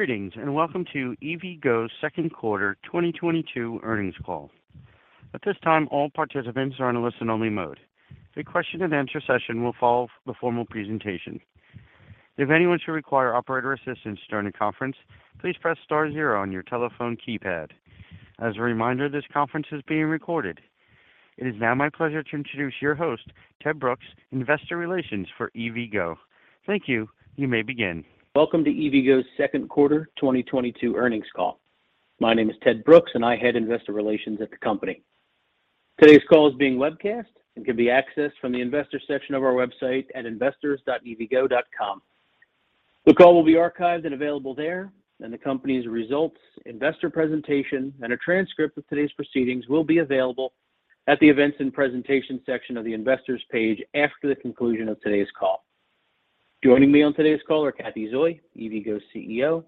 Greetings, and welcome to EVgo's Second Quarter 2022 Earnings Call. At this time, all participants are in a listen-only mode. A question and answer session will follow the formal presentation. If anyone should require operator assistance during the conference, please press star zero on your telephone keypad. As a reminder, this conference is being recorded. It is now my pleasure to introduce your host, Ted Brooks, Investor Relations for EVgo. Thank you. You may begin. Welcome to EVgo's Second Quarter 2022 Earnings Call. My name is Ted Brooks, and I head investor relations at the company. Today's call is being webcast and can be accessed from the investor section of our website at investors.evgo.com. The call will be archived and available there, and the company's results, investor presentation, and a transcript of today's proceedings will be available at the events and presentations section of the investors page after the conclusion of today's call. Joining me on today's call are Cathy Zoi, EVgo's CEO,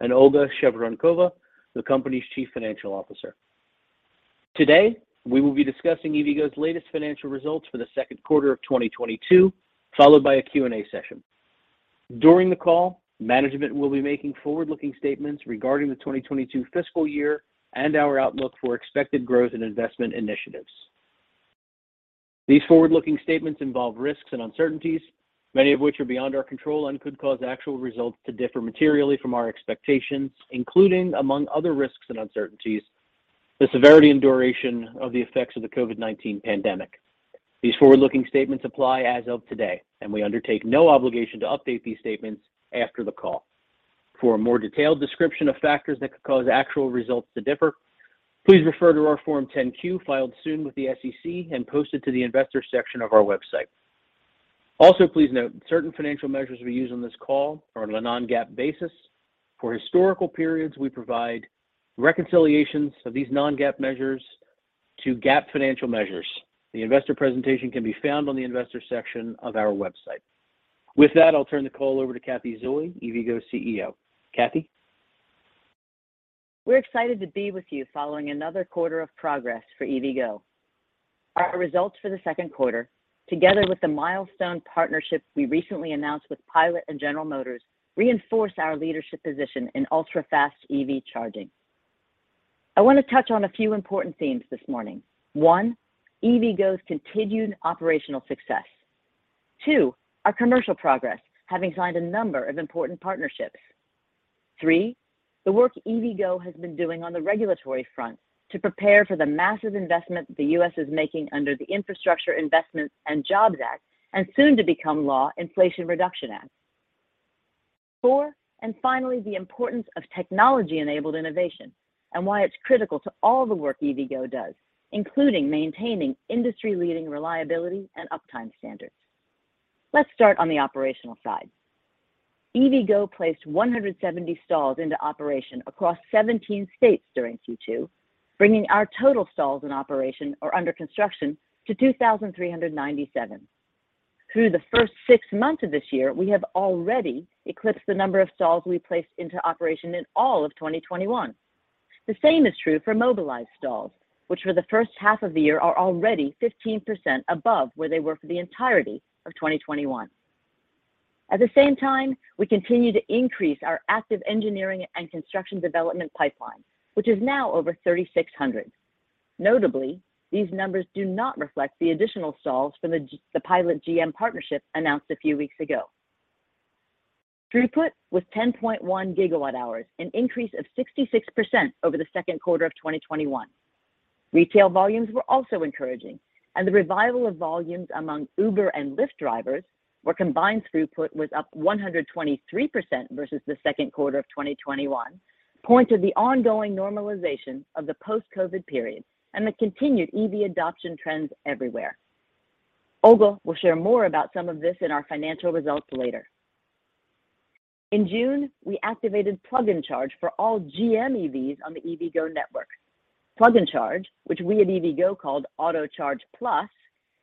and Olga Shevorenkova, the company's Chief Financial Officer. Today, we will be discussing EVgo's latest financial results for the second quarter of 2022, followed by a Q&A session. During the call, management will be making forward-looking statements regarding the 2022 fiscal year and our outlook for expected growth and investment initiatives. These forward-looking statements involve risks and uncertainties, many of which are beyond our control and could cause actual results to differ materially from our expectations, including, among other risks and uncertainties, the severity and duration of the effects of the COVID-19 pandemic. These forward-looking statements apply as of today, and we undertake no obligation to update these statements after the call. For a more detailed description of factors that could cause actual results to differ, please refer to our Form 10-Q filed soon with the SEC and posted to the investors section of our website. Also, please note, certain financial measures we use on this call are on a non-GAAP basis. For historical periods, we provide reconciliations of these non-GAAP measures to GAAP financial measures. The investor presentation can be found on the investor section of our website. With that, I'll turn the call over to Cathy Zoi, EVgo's CEO. Cathy? We're excited to be with you following another quarter of progress for EVgo. Our results for the second quarter, together with the milestone partnership we recently announced with Pilot and General Motors, reinforce our leadership position in ultra-fast EV charging. I want to touch on a few important themes this morning. One, EVgo's continued operational success. Two, our commercial progress, having signed a number of important partnerships. Three, the work EVgo has been doing on the regulatory front to prepare for the massive investment the U.S. is making under the Infrastructure Investment and Jobs Act, and soon to become law, Inflation Reduction Act. Four, and finally, the importance of technology-enabled innovation and why it's critical to all the work EVgo does, including maintaining industry-leading reliability and uptime standards. Let's start on the operational side. EVgo placed 170 stalls into operation across 17 states during Q2, bringing our total stalls in operation or under construction to 2,397. Through the first six months of this year, we have already eclipsed the number of stalls we placed into operation in all of 2021. The same is true for mobilized stalls, which for the first half of the year are already 15% above where they were for the entirety of 2021. At the same time, we continue to increase our active engineering and construction development pipeline, which is now over 3,600. Notably, these numbers do not reflect the additional stalls for the Pilot GM partnership announced a few weeks ago. Throughput was 10.1 GWh, an increase of 66% over the second quarter of 2021. Retail volumes were also encouraging, and the revival of volumes among Uber and Lyft drivers, where combined throughput was up 123% versus the second quarter of 2021, point to the ongoing normalization of the post-COVID-19 period and the continued EV adoption trends everywhere. Olga will share more about some of this in our financial results later. In June, we activated plug and charge for all GM EVs on the EVgo network. Plug and charge, which we at EVgo called Autocharge+,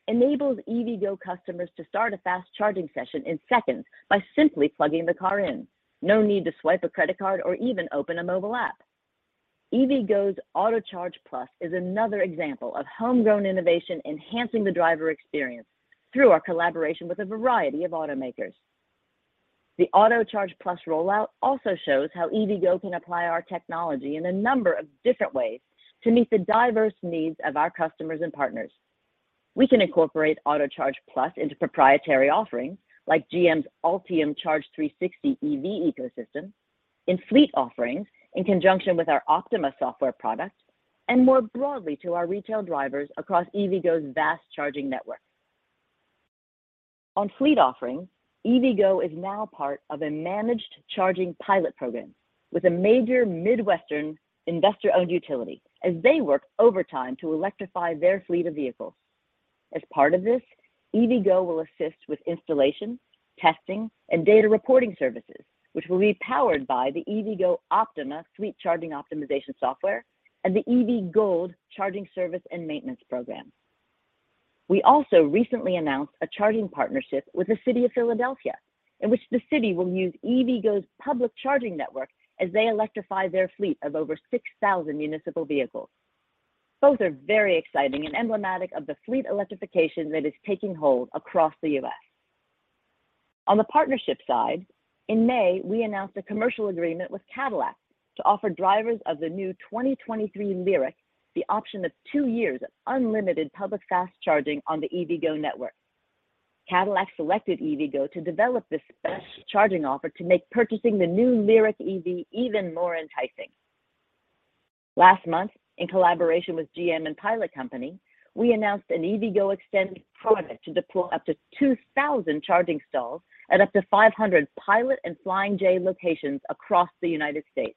enables EVgo customers to start a fast charging session in seconds by simply plugging the car in. No need to swipe a credit card or even open a mobile app. EVgo's Autocharge+ is another example of homegrown innovation enhancing the driver experience through our collaboration with a variety of automakers. The Autocharge+ rollout also shows how EVgo can apply our technology in a number of different ways to meet the diverse needs of our customers and partners. We can incorporate Autocharge+ into proprietary offerings like GM's Ultium Charge 360 EV ecosystem, in fleet offerings in conjunction with our Optima software product, and more broadly to our retail drivers across EVgo's vast charging network. On fleet offerings, EVgo is now part of a managed charging pilot program with a major Midwestern investor-owned utility as they work overtime to electrify their fleet of vehicles. As part of this, EVgo will assist with installation, testing, and data reporting services, which will be powered by the EVgo Optima fleet charging optimization software and the EVgold charging service and maintenance program. We also recently announced a charging partnership with the city of Philadelphia, in which the city will use EVgo's public charging network as they electrify their fleet of over 6,000 municipal vehicles. Both are very exciting and emblematic of the fleet electrification that is taking hold across the U.S. On the partnership side, in May, we announced a commercial agreement with Cadillac to offer drivers of the new 2023 LYRIQ the option of two years of unlimited public fast charging on the EVgo network. Cadillac selected EVgo to develop this special charging offer to make purchasing the new LYRIQ EV even more enticing. Last month, in collaboration with GM and Pilot Company, we announced an EVgo eXtend product to deploy up to 2,000 charging stalls at up to 500 Pilot and Flying J locations across the United States.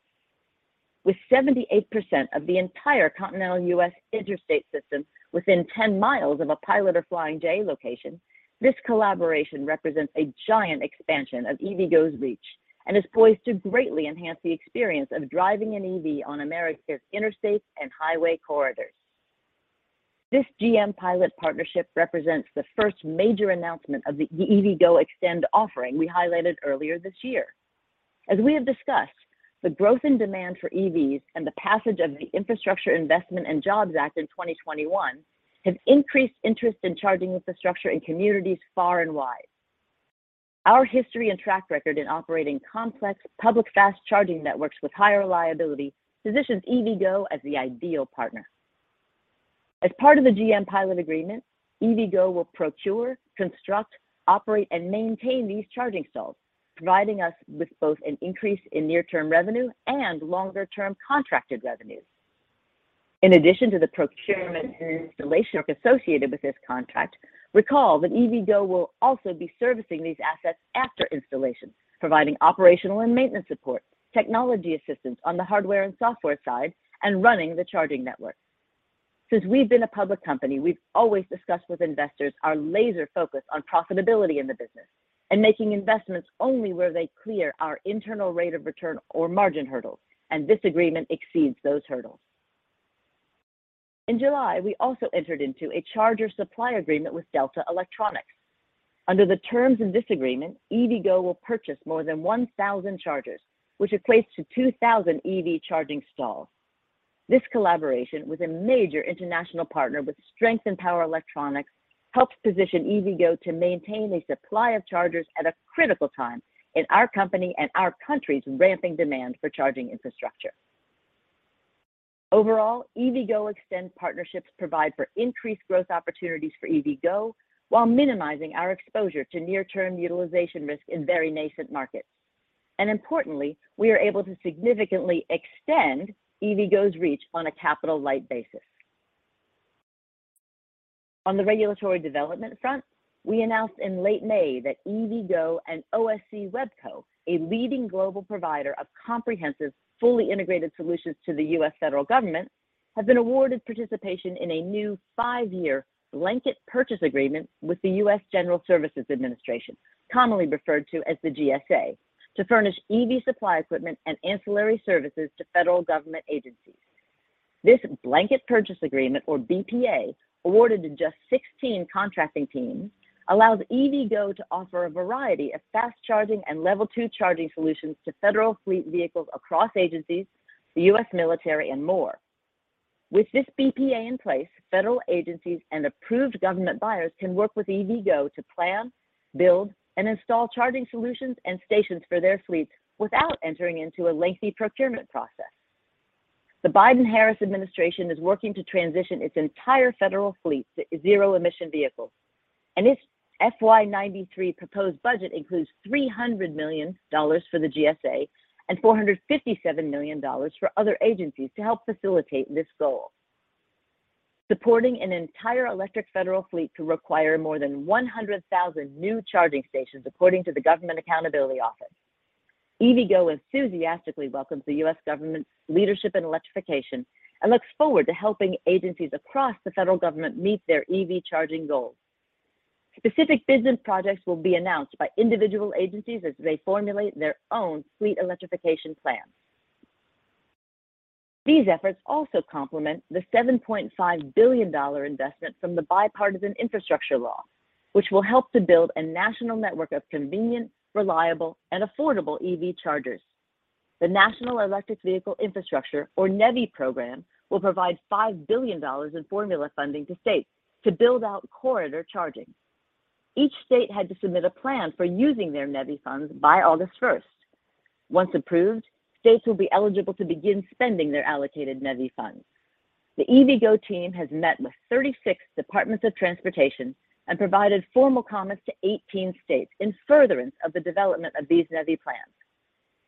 With 78% of the entire continental U.S. interstate system within 10 mi of a Pilot or Flying J location, this collaboration represents a giant expansion of EVgo's reach and is poised to greatly enhance the experience of driving an EV on America's interstates and highway corridors. This GM Pilot partnership represents the first major announcement of the EVgo eXtend offering we highlighted earlier this year. As we have discussed, the growth in demand for EVs and the passage of the Infrastructure Investment and Jobs Act in 2021 have increased interest in charging infrastructure in communities far and wide. Our history and track record in operating complex public fast charging networks with higher liability positions EVgo as the ideal partner. As part of the GM Pilot agreement, EVgo will procure, construct, operate, and maintain these charging stalls, providing us with both an increase in near-term revenue and longer-term contracted revenues. In addition to the procurement and installation work associated with this contract, recall that EVgo will also be servicing these assets after installation, providing operational and maintenance support, technology assistance on the hardware and software side, and running the charging network. Since we've been a public company, we've always discussed with investors our laser focus on profitability in the business and making investments only where they clear our internal rate of return or margin hurdles, and this agreement exceeds those hurdles. In July, we also entered into a charger supply agreement with Delta Electronics. Under the terms of this agreement, EVgo will purchase more than 1,000 chargers, which equates to 2,000 EV charging stalls. This collaboration with a major international partner with strength in power electronics helps position EVgo to maintain a supply of chargers at a critical time in our company and our country's ramping demand for charging infrastructure. Overall, EVgo eXtend partnerships provide for increased growth opportunities for EVgo while minimizing our exposure to near-term utilization risk in very nascent markets. Importantly, we are able to significantly extend EVgo's reach on a capital-light basis. On the regulatory development front, we announced in late May that EVgo and OSC-WEBco, a leading global provider of comprehensive, fully integrated solutions to the U.S. federal government, have been awarded participation in a new five-year blanket purchase agreement with the U.S. General Services Administration, commonly referred to as the GSA, to furnish EV supply equipment and ancillary services to federal government agencies. This blanket purchase agreement, or BPA, awarded to just 16 contracting teams, allows EVgo to offer a variety of fast charging and level two charging solutions to federal fleet vehicles across agencies, the U.S. military, and more. With this BPA in place, federal agencies and approved government buyers can work with EVgo to plan, build, and install charging solutions and stations for their fleets without entering into a lengthy procurement process. The Biden-Harris administration is working to transition its entire federal fleet to zero-emission vehicles, and its FY 2023 proposed budget includes $300 million for the GSA and $457 million for other agencies to help facilitate this goal. Supporting an entire electric federal fleet could require more than 100,000 new charging stations, according to the Government Accountability Office. EVgo enthusiastically welcomes the U.S. government's leadership in electrification and looks forward to helping agencies across the federal government meet their EV charging goals. Specific business projects will be announced by individual agencies as they formulate their own fleet electrification plans. These efforts also complement the $7.5 billion investment from the Bipartisan Infrastructure Law, which will help to build a national network of convenient, reliable, and affordable EV chargers. The National Electric Vehicle Infrastructure, or NEVI program, will provide $5 billion in formula funding to states to build out corridor charging. Each state had to submit a plan for using their NEVI funds by August 1st. Once approved, states will be eligible to begin spending their allocated NEVI funds. The EVgo team has met with 36 departments of transportation and provided formal comments to 18 states in furtherance of the development of these NEVI plans.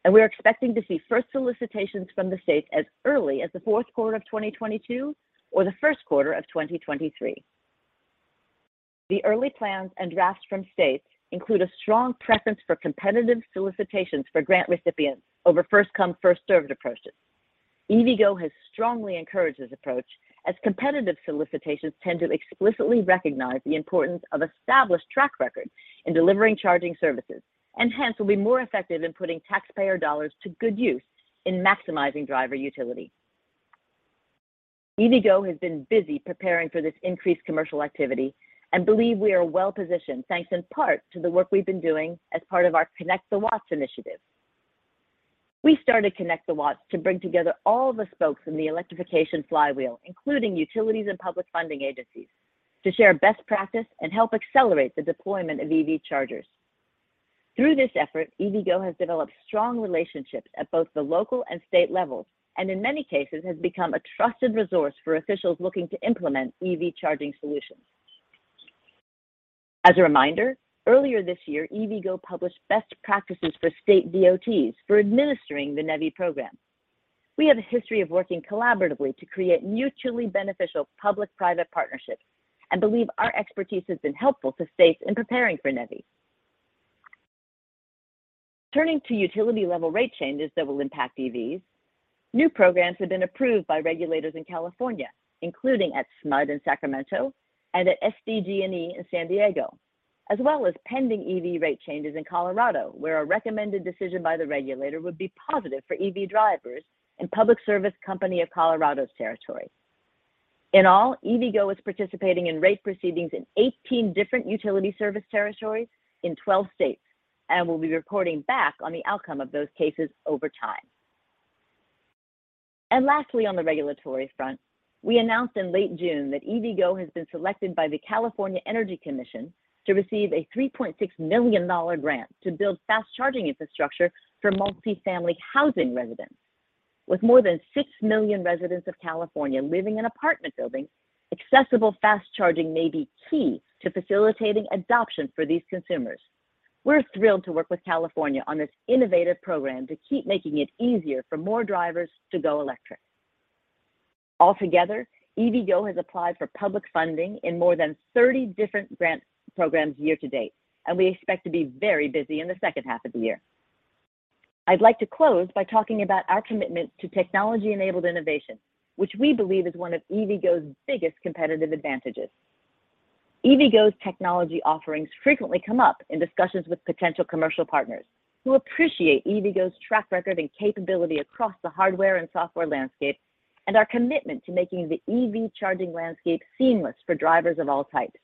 We're expecting to see first solicitations from the states as early as the fourth quarter of 2022 or the first quarter of 2023. The early plans and drafts from states include a strong presence for competitive solicitations for grant recipients over first come, first served approaches. EVgo has strongly encouraged this approach as competitive solicitations tend to explicitly recognize the importance of established track record in delivering charging services, and hence will be more effective in putting taxpayer dollars to good use in maximizing driver utility. EVgo has been busy preparing for this increased commercial activity and believe we are well-positioned, thanks in part to the work we've been doing as part of our Connect the Watts initiative. We started Connect the Watts to bring together all the spokes in the electrification flywheel, including utilities and public funding agencies, to share best practice and help accelerate the deployment of EV chargers. Through this effort, EVgo has developed strong relationships at both the local and state levels, and in many cases, has become a trusted resource for officials looking to implement EV charging solutions. As a reminder, earlier this year, EVgo published best practices for state DOTs for administering the NEVI program. We have a history of working collaboratively to create mutually beneficial public-private partnerships and believe our expertise has been helpful to states in preparing for NEVI. Turning to utility-level rate changes that will impact EVs, new programs have been approved by regulators in California, including at SMUD in Sacramento and at SDG&E in San Diego, as well as pending EV rate changes in Colorado, where a recommended decision by the regulator would be positive for EV drivers and Public Service Company of Colorado's territory. In all, EVgo is participating in rate proceedings in 18 different utility service territories in 12 states and will be reporting back on the outcome of those cases over time. Lastly, on the regulatory front, we announced in late June that EVgo has been selected by the California Energy Commission to receive a $3.6 million grant to build fast charging infrastructure for multi-family housing residents. With more than 6 million residents of California living in apartment buildings, accessible fast charging may be key to facilitating adoption for these consumers. We're thrilled to work with California on this innovative program to keep making it easier for more drivers to go electric. Altogether, EVgo has applied for public funding in more than 30 different grant programs year to date, and we expect to be very busy in the second half of the year. I'd like to close by talking about our commitment to technology-enabled innovation, which we believe is one of EVgo's biggest competitive advantages. EVgo's technology offerings frequently come up in discussions with potential commercial partners who appreciate EVgo's track record and capability across the hardware and software landscape and our commitment to making the EV charging landscape seamless for drivers of all types.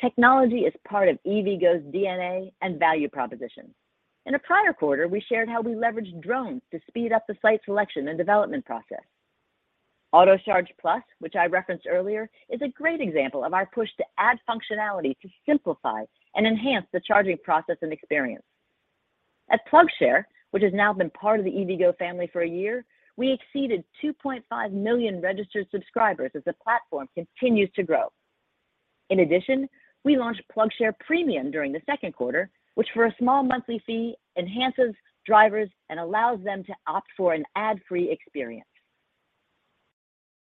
Technology is part of EVgo's DNA and value proposition. In a prior quarter, we shared how we leveraged drones to speed up the site selection and development process. Autocharge+, which I referenced earlier, is a great example of our push to add functionality to simplify and enhance the charging process and experience. At PlugShare, which has now been part of the EVgo family for a year, we exceeded 2.5 million registered subscribers as the platform continues to grow. In addition, we launched PlugShare Premium during the second quarter, which for a small monthly fee enhances drivers and allows them to opt for an ad-free experience.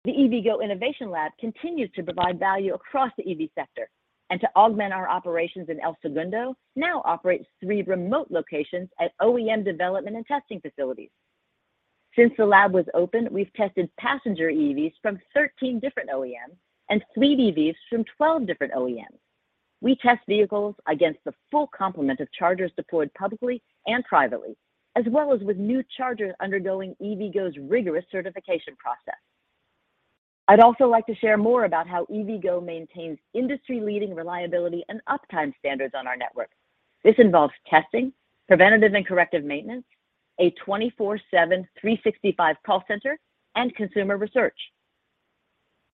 The EVgo Innovation Lab continues to provide value across the EV sector and to augment our operations in El Segundo. It now operates three remote locations at OEM development and testing facilities. Since the lab was opened, we've tested passenger EVs from 13 different OEMs and fleet EVs from 12 different OEMs. We test vehicles against the full complement of chargers deployed publicly and privately, as well as with new chargers undergoing EVgo's rigorous certification process. I'd also like to share more about how EVgo maintains industry-leading reliability and uptime standards on our network. This involves testing, preventative and corrective maintenance, a 24/7, 365 call center, and consumer research.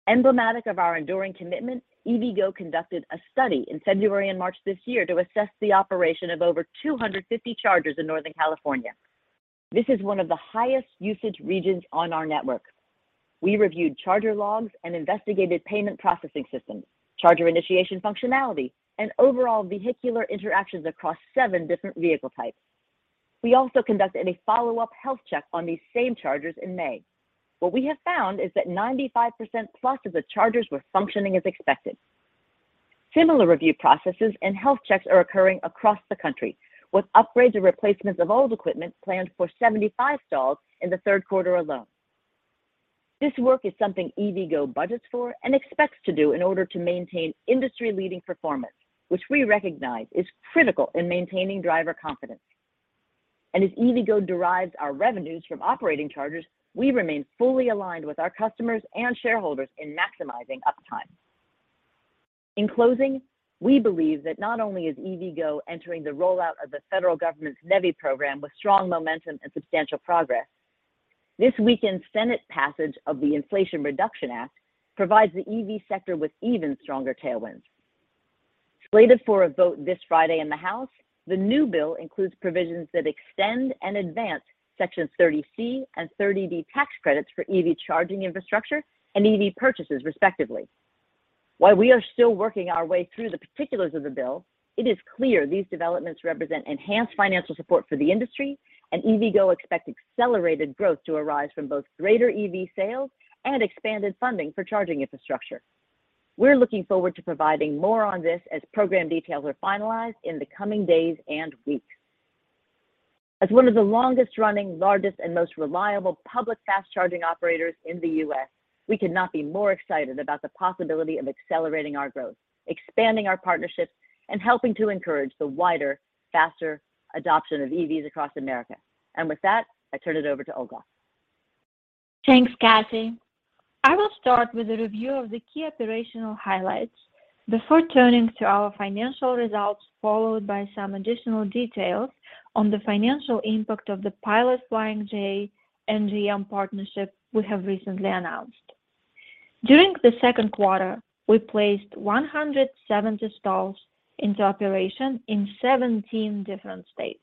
Emblematic of our enduring commitment, EVgo conducted a study in February and March this year to assess the operation of over 250 chargers in Northern California. This is one of the highest usage regions on our network. We reviewed charger logs and investigated payment processing systems, charger initiation functionality, and overall vehicular interactions across seven different vehicle types. We also conducted a follow-up health check on these same chargers in May. What we have found is that 95%+ of the chargers were functioning as expected. Similar review processes and health checks are occurring across the country, with upgrades and replacements of old equipment planned for 75 stalls in the third quarter alone. This work is something EVgo budgets for and expects to do in order to maintain industry-leading performance, which we recognize is critical in maintaining driver confidence. As EVgo derives our revenues from operating chargers, we remain fully aligned with our customers and shareholders in maximizing uptime. In closing, we believe that not only is EVgo entering the rollout of the federal government's NEVI program with strong momentum and substantial progress. This weekend's Senate passage of the Inflation Reduction Act provides the EV sector with even stronger tailwinds. Slated for a vote this Friday in the House, the new bill includes provisions that extend and advance Sections 30C and 30D tax credits for EV charging infrastructure and EV purchases, respectively. While we are still working our way through the particulars of the bill, it is clear these developments represent enhanced financial support for the industry, and EVgo expects accelerated growth to arise from both greater EV sales and expanded funding for charging infrastructure. We're looking forward to providing more on this as program details are finalized in the coming days and weeks. As one of the longest-running, largest, and most reliable public fast charging operators in the U.S., we could not be more excited about the possibility of accelerating our growth, expanding our partnerships, and helping to encourage the wider, faster adoption of EVs across America. With that, I turn it over to Olga. Thanks, Cathy. I will start with a review of the key operational highlights before turning to our financial results, followed by some additional details on the financial impact of the Pilot Flying J and GM partnership we have recently announced. During the second quarter, we placed 170 stalls into operation in 17 different states.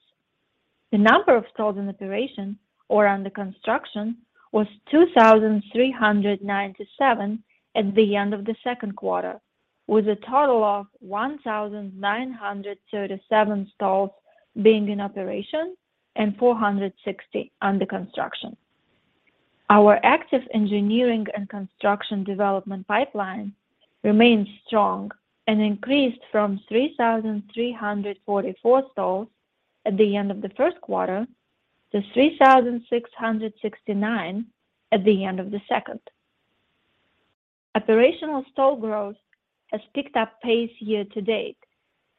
The number of stalls in operation or under construction was 2,397 at the end of the second quarter, with a total of 1,937 stalls being in operation and 460 under construction. Our active engineering and construction development pipeline remains strong and increased from 3,344 stalls at the end of the first quarter to 3,669 at the end of the second. Operational stall growth has picked up pace year-to-date.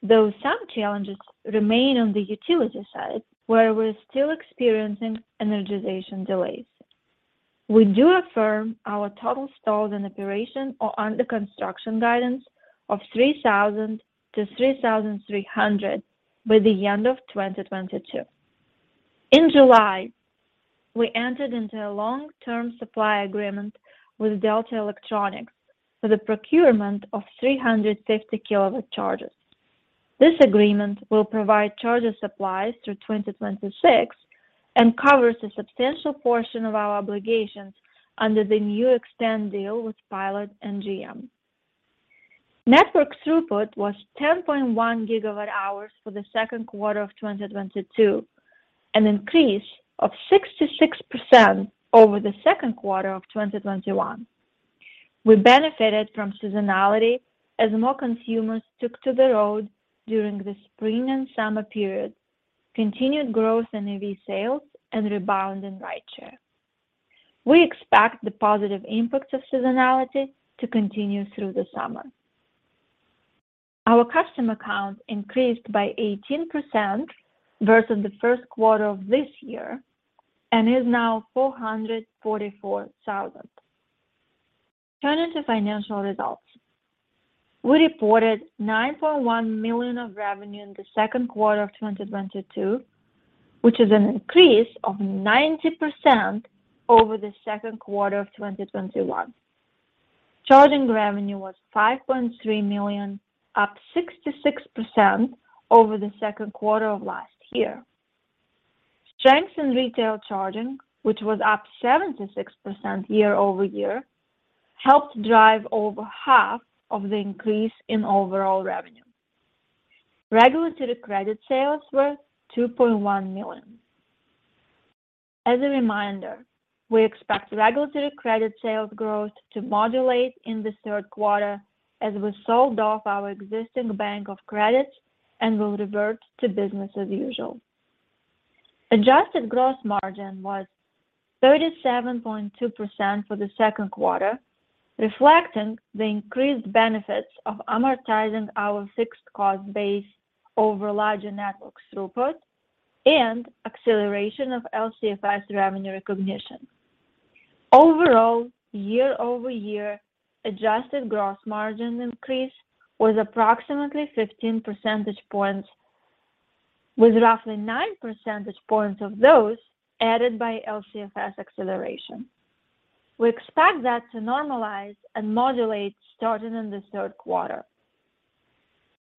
Though some challenges remain on the utility side, where we're still experiencing energization delays, we do affirm our total stalls in operation or under construction guidance of 3,000-3,300 by the end of 2022. In July, we entered into a long-term supply agreement with Delta Electronics for the procurement of 350-kW chargers. This agreement will provide charger supplies through 2026 and covers a substantial portion of our obligations under the new eXtend deal with Pilot and GM. Network throughput was 10.1 GWh for the second quarter of 2022, an increase of 66% over the second quarter of 2021. We benefited from seasonality as more consumers took to the road during the spring and summer periods, continued growth in EV sales, and rebound in rideshare. We expect the positive impact of seasonality to continue through the summer. Our customer count increased by 18% versus the first quarter of this year and is now 444,000. Turning to financial results. We reported $9.1 million of revenue in the second quarter of 2022, which is an increase of 90% over the second quarter of 2021. Charging revenue was $5.3 million, up 66% over the second quarter of last year. Strength in retail charging, which was up 76% year-over-year, helped drive over half of the increase in overall revenue. Regulatory credit sales were $2.1 million. As a reminder, we expect regulatory credit sales growth to modulate in the third quarter as we sold off our existing bank of credits and will revert to business as usual. Adjusted gross margin was 37.2% for the second quarter, reflecting the increased benefits of amortizing our fixed cost base over larger network throughput and acceleration of LCFS revenue recognition. Overall, year-over-year adjusted gross margin increase was approximately 15 percentage points, with roughly nine percentage points of those added by LCFS acceleration. We expect that to normalize and modulate starting in the third quarter.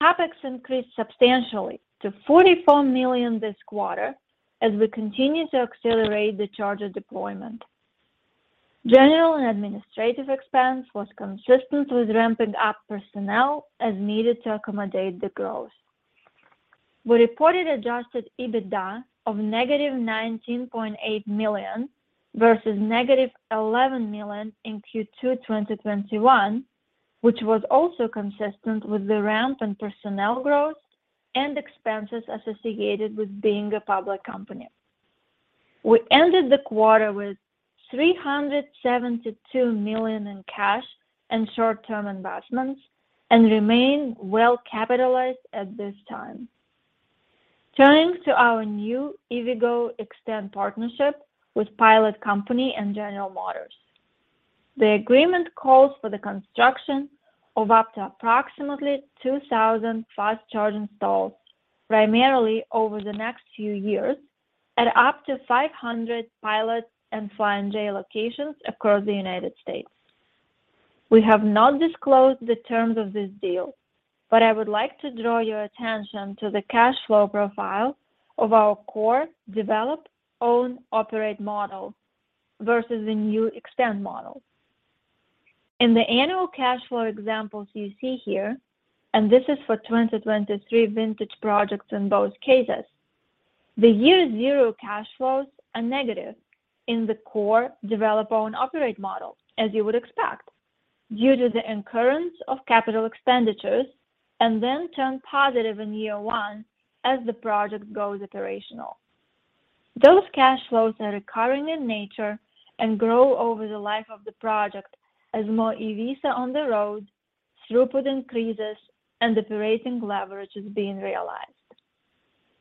CapEx increased substantially to $44 million this quarter as we continue to accelerate the charger deployment. General and administrative expense was consistent with ramping up personnel as needed to accommodate the growth. We reported Adjusted EBITDA of -$19.8 million versus -$11 million in Q2 2021, which was also consistent with the ramp in personnel growth and expenses associated with being a public company. We ended the quarter with $372 million in cash and short-term investments and remain well capitalized at this time. Turning to our new EVgo eXtend partnership with Pilot Company and General Motors. The agreement calls for the construction of up to approximately 2,000 fast-charging stalls, primarily over the next few years at up to 500 Pilot and Flying J locations across the United States. We have not disclosed the terms of this deal, but I would like to draw your attention to the cash flow profile of our core develop own operate model versus the new eXtend model. In the annual cash flow examples you see here, and this is for 2023 vintage projects in both cases, the year zero cash flows are negative in the core develop own operate model, as you would expect, due to the incurrence of capital expenditures and then turn positive in year one as the project goes operational. Those cash flows are recurring in nature and grow over the life of the project as more EVs are on the road, throughput increases, and operating leverage is being realized.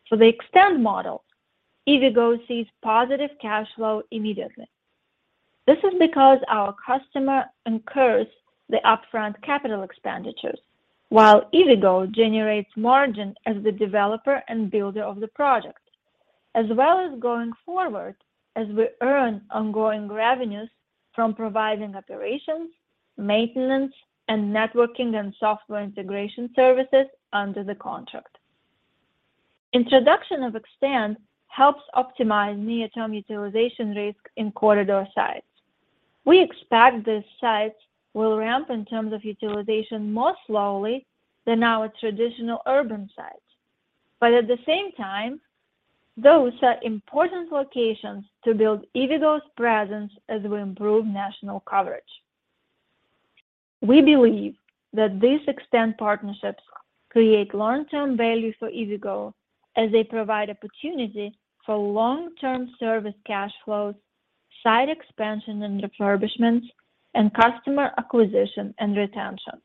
For the eXtend model, EVgo sees positive cash flow immediately. This is because our customer incurs the upfront capital expenditures while EVgo generates margin as the developer and builder of the project, as well as going forward as we earn ongoing revenues from providing operations, maintenance, and networking and software integration services under the contract. Introduction of eXtend helps optimize near-term utilization risk in corridor sites. We expect these sites will ramp in terms of utilization more slowly than our traditional urban sites. At the same time, those are important locations to build EVgo's presence as we improve national coverage. We believe that these eXtend partnerships create long-term value for EVgo as they provide opportunity for long-term service cash flows, site expansion and refurbishments, and customer acquisition and retention.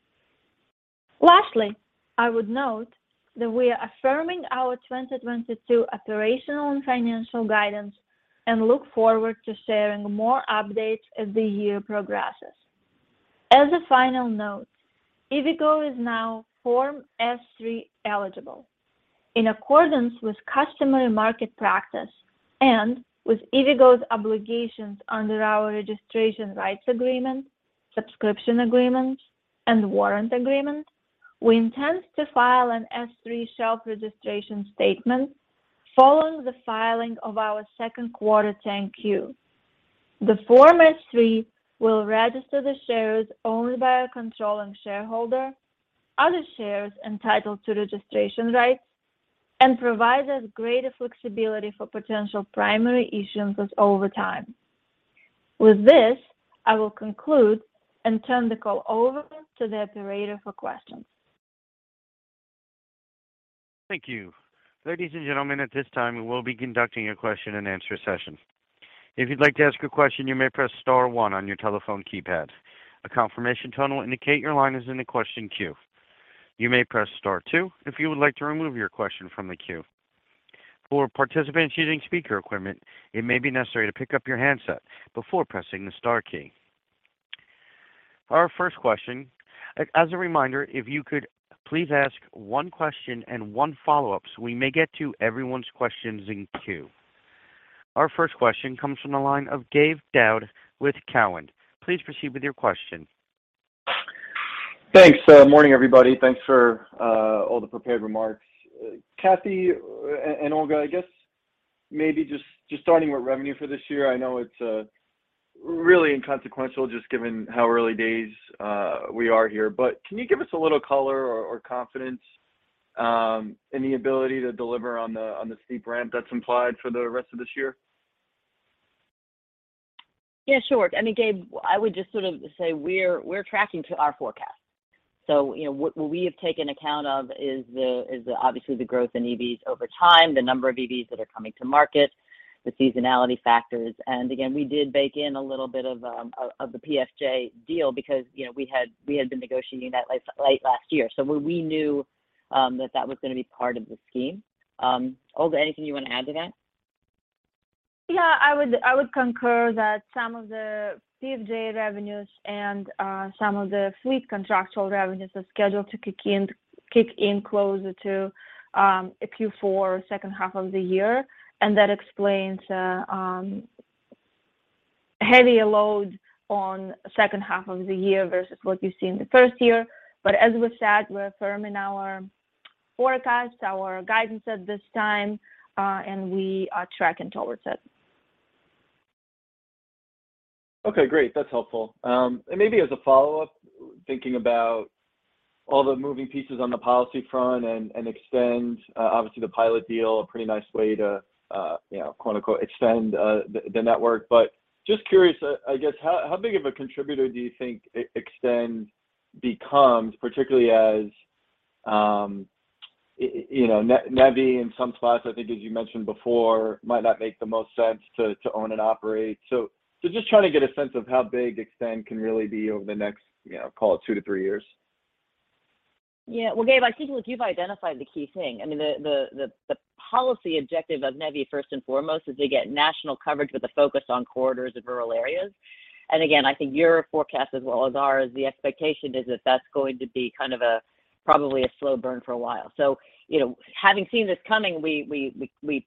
Lastly, I would note that we are affirming our 2022 operational and financial guidance and look forward to sharing more updates as the year progresses. As a final note, EVgo is now Form S-3 eligible. In accordance with customary market practice and with EVgo's obligations under our registration rights agreement, subscription agreement, and warrant agreement, we intend to file an S-3 shelf registration statement following the filing of our second quarter 10-Q. The Form S-3 will register the shares owned by our controlling shareholder, other shares entitled to registration rights, and provide us greater flexibility for potential primary issuance over time. With this, I will conclude and turn the call over to the operator for questions. Thank you. Ladies and gentlemen, at this time, we will be conducting a question-and-answer session. If you'd like to ask a question, you may press star one on your telephone keypad. A confirmation tone will indicate your line is in the question queue. You may press star two if you would like to remove your question from the queue. For participants using speaker equipment, it may be necessary to pick up your handset before pressing the star key. As a reminder, if you could please ask one question and one follow-up so we may get to everyone's questions in queue. Our first question comes from the line of Gabe Daoud with Cowen. Please proceed with your question. Thanks. Morning, everybody. Thanks for all the prepared remarks. Cathy and Olga, I guess maybe just starting with revenue for this year. I know it's really inconsequential just given how early days we are here. Can you give us a little color or confidence in the ability to deliver on the steep ramp that's implied for the rest of this year? Yeah, sure. I mean, Gabe, I would just sort of say we're tracking to our forecast. You know, what we have taken account of is the obvious growth in EVs over time, the number of EVs that are coming to market, the seasonality factors. Again, we did bake in a little bit of the PFJ deal because, you know, we had been negotiating that late last year. We knew that was gonna be part of the scheme. Olga, anything you wanna add to that? Yeah, I would concur that some of the PFJ revenues and some of the fleet contractual revenues are scheduled to kick in closer to Q4, second half of the year, and that explains heavier load on second half of the year versus what you see in the first year. As we said, we're firm in our forecast, our guidance at this time, and we are tracking towards it. Okay, great. That's helpful. Maybe as a follow-up, thinking about all the moving pieces on the policy front and eXtend, obviously the Pilot deal, a pretty nice way to, you know, quote-unquote, "eXtend," the network. Just curious, I guess how big of a contributor do you think eXtend becomes, particularly as you know, NEVI in some spots, I think as you mentioned before, might not make the most sense to own and operate. Just trying to get a sense of how big eXtend can really be over the next, you know, call it two to three years. Yeah. Well, Gabe, I think, look, you've identified the key thing. I mean, the policy objective of NEVI first and foremost is to get national coverage with a focus on corridors of rural areas. Again, I think your forecast as well as ours, the expectation is that that's going to be kind of a, probably a slow burn for a while. You know, having seen this coming, we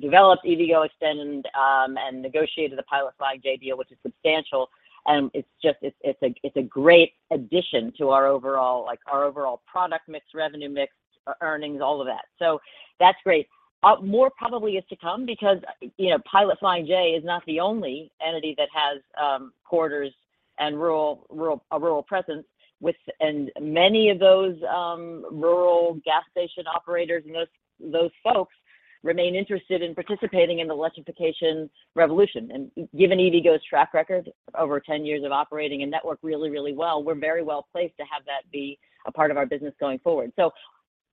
developed EVgo eXtend and negotiated the Pilot Flying J deal, which is substantial. It's just, it's a great addition to our overall, like our overall product mix, revenue mix, earnings, all of that. So that's great. More probably is to come because, you know, Pilot Flying J is not the only entity that has corridors and rural, a rural presence with... Many of those rural gas station operators and those folks remain interested in participating in the electrification revolution. Given EVgo's track record over 10 years of operating a network really well, we're very well placed to have that be a part of our business going forward.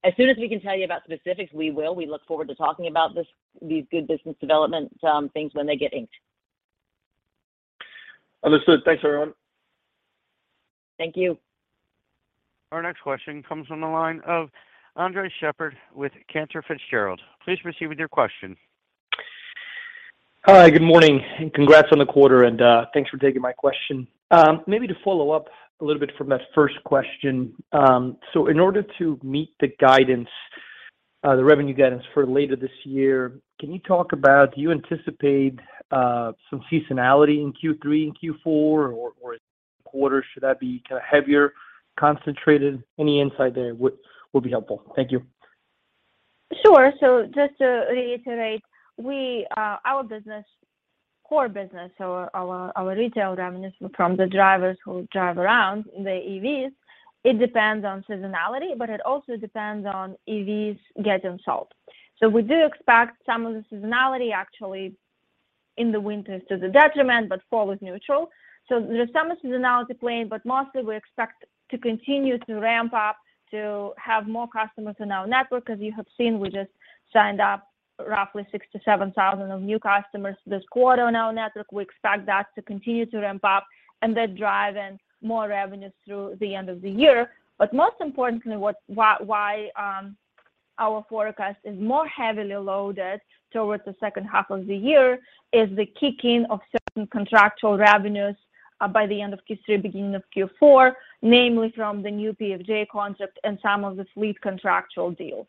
As soon as we can tell you about specifics, we will. We look forward to talking about these good business development things when they get inked. Understood. Thanks, everyone. Thank you. Our next question comes from the line of Andres Sheppard with Cantor Fitzgerald. Please proceed with your question. Hi, good morning, and congrats on the quarter, and thanks for taking my question. Maybe to follow up a little bit from that first question. In order to meet the guidance, the revenue guidance for later this year, can you talk about, do you anticipate some seasonality in Q3 and Q4 or quarters? Should that be kinda heavier concentrated? Any insight there would be helpful. Thank you. Sure. Just to reiterate, our business, core business, our retail revenues from the drivers who drive around the EVs, it depends on seasonality, but it also depends on EVs getting sold. We do expect some of the seasonality actually in the winters to the detriment, but fall is neutral. There's some seasonality playing, but mostly we expect to continue to ramp up to have more customers in our network. As you have seen, we just signed up roughly 6,000-7,000 new customers this quarter on our network. We expect that to continue to ramp up and that driving more revenues through the end of the year. Most importantly, why our forecast is more heavily loaded towards the second half of the year is the kicking of certain contractual revenues by the end of Q3, beginning of Q4, namely from the new PFJ contract and some of the fleet contractual deals.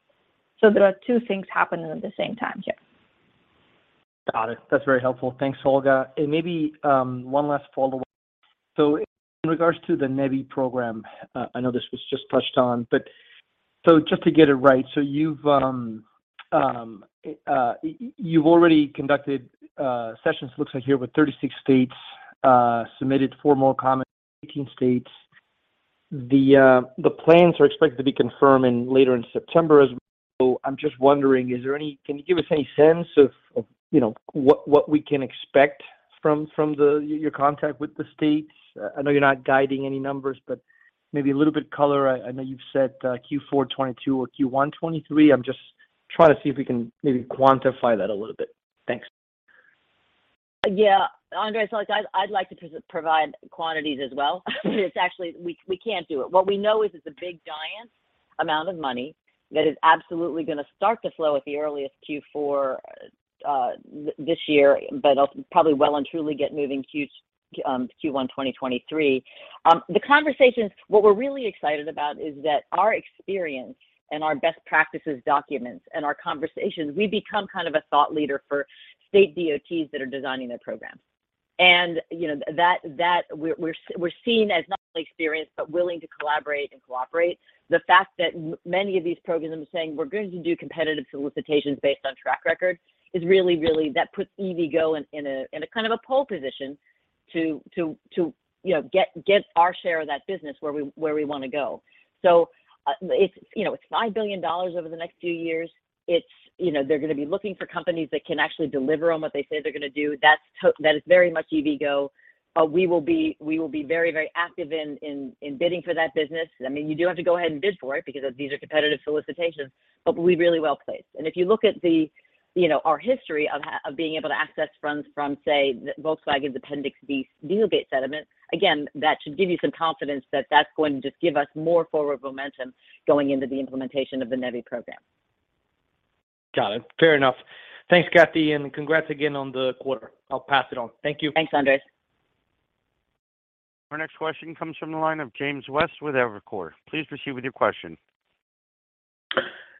There are two things happening at the same time here. Got it. That's very helpful. Thanks, Olga. Maybe one last follow-up. In regards to the NEVI program, I know this was just touched on, but just to get it right, you've already conducted sessions, looks like here, with 36 states, submitted four more comments, 18 states. The plans are expected to be confirmed later in September as well. I'm just wondering, can you give us any sense of, you know, what we can expect from your contract with the states? I know you're not guiding any numbers, but maybe a little bit color. I know you've said Q4 2022 or Q1 2023. I'm just trying to see if we can maybe quantify that a little bit. Thanks. Yeah. Andres, so like I'd like to provide quantities as well. It's actually we can't do it. What we know is it's a big, giant amount of money that is absolutely gonna start to flow at the earliest Q4 this year, but also probably well and truly get moving Q1 2023. The conversations, what we're really excited about is that our experience and our best practices documents and our conversations, we become kind of a thought leader for state DOTs that are designing their programs. You know, that we're seen as not only experienced, but willing to collaborate and cooperate. The fact that many of these programs are saying we're going to do competitive solicitations based on track record is really, really. That puts EVgo in a kind of a pole position to, you know, get our share of that business where we wanna go. It's, you know, it's $5 billion over the next few years. It's, you know, they're gonna be looking for companies that can actually deliver on what they say they're gonna do. That is very much EVgo. We will be very active in bidding for that business. I mean, you do have to go ahead and bid for it because these are competitive solicitations, but we're really well-placed. If you look at the, you know, our history of being able to access funds from, say, Volkswagen's Appendix D Dieselgate settlement, again, that should give you some confidence that that's going to just give us more forward momentum going into the implementation of the NEVI program. Got it. Fair enough. Thanks, Cathy, and congrats again on the quarter. I'll pass it on. Thank you. Thanks, Andres. Our next question comes from the line of James West with Evercore. Please proceed with your question.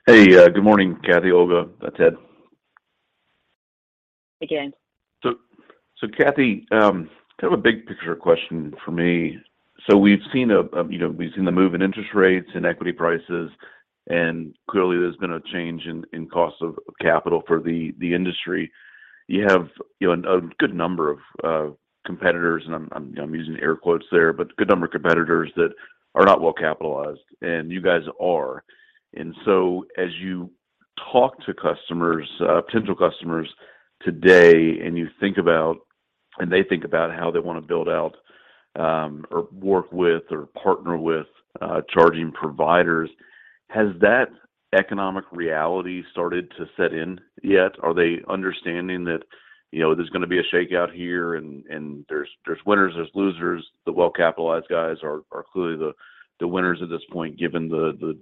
Hey, good morning, Cathy, Olga, Ted. Hey, James. Cathy, kind of a big picture question for me. We've seen, you know, the move in interest rates and equity prices, and clearly there's been a change in cost of capital for the industry. You have, you know, a good number of competitors, and I'm, you know, using air quotes there, but a good number of competitors that are not well capitalized, and you guys are. As you talk to customers, potential customers today, and you think about, and they think about how they wanna build out, or work with or partner with, charging providers, has that economic reality started to set in yet? Are they understanding that, you know, there's gonna be a shakeout here and there's winners, there's losers. The well-capitalized guys are clearly the winners at this point, given the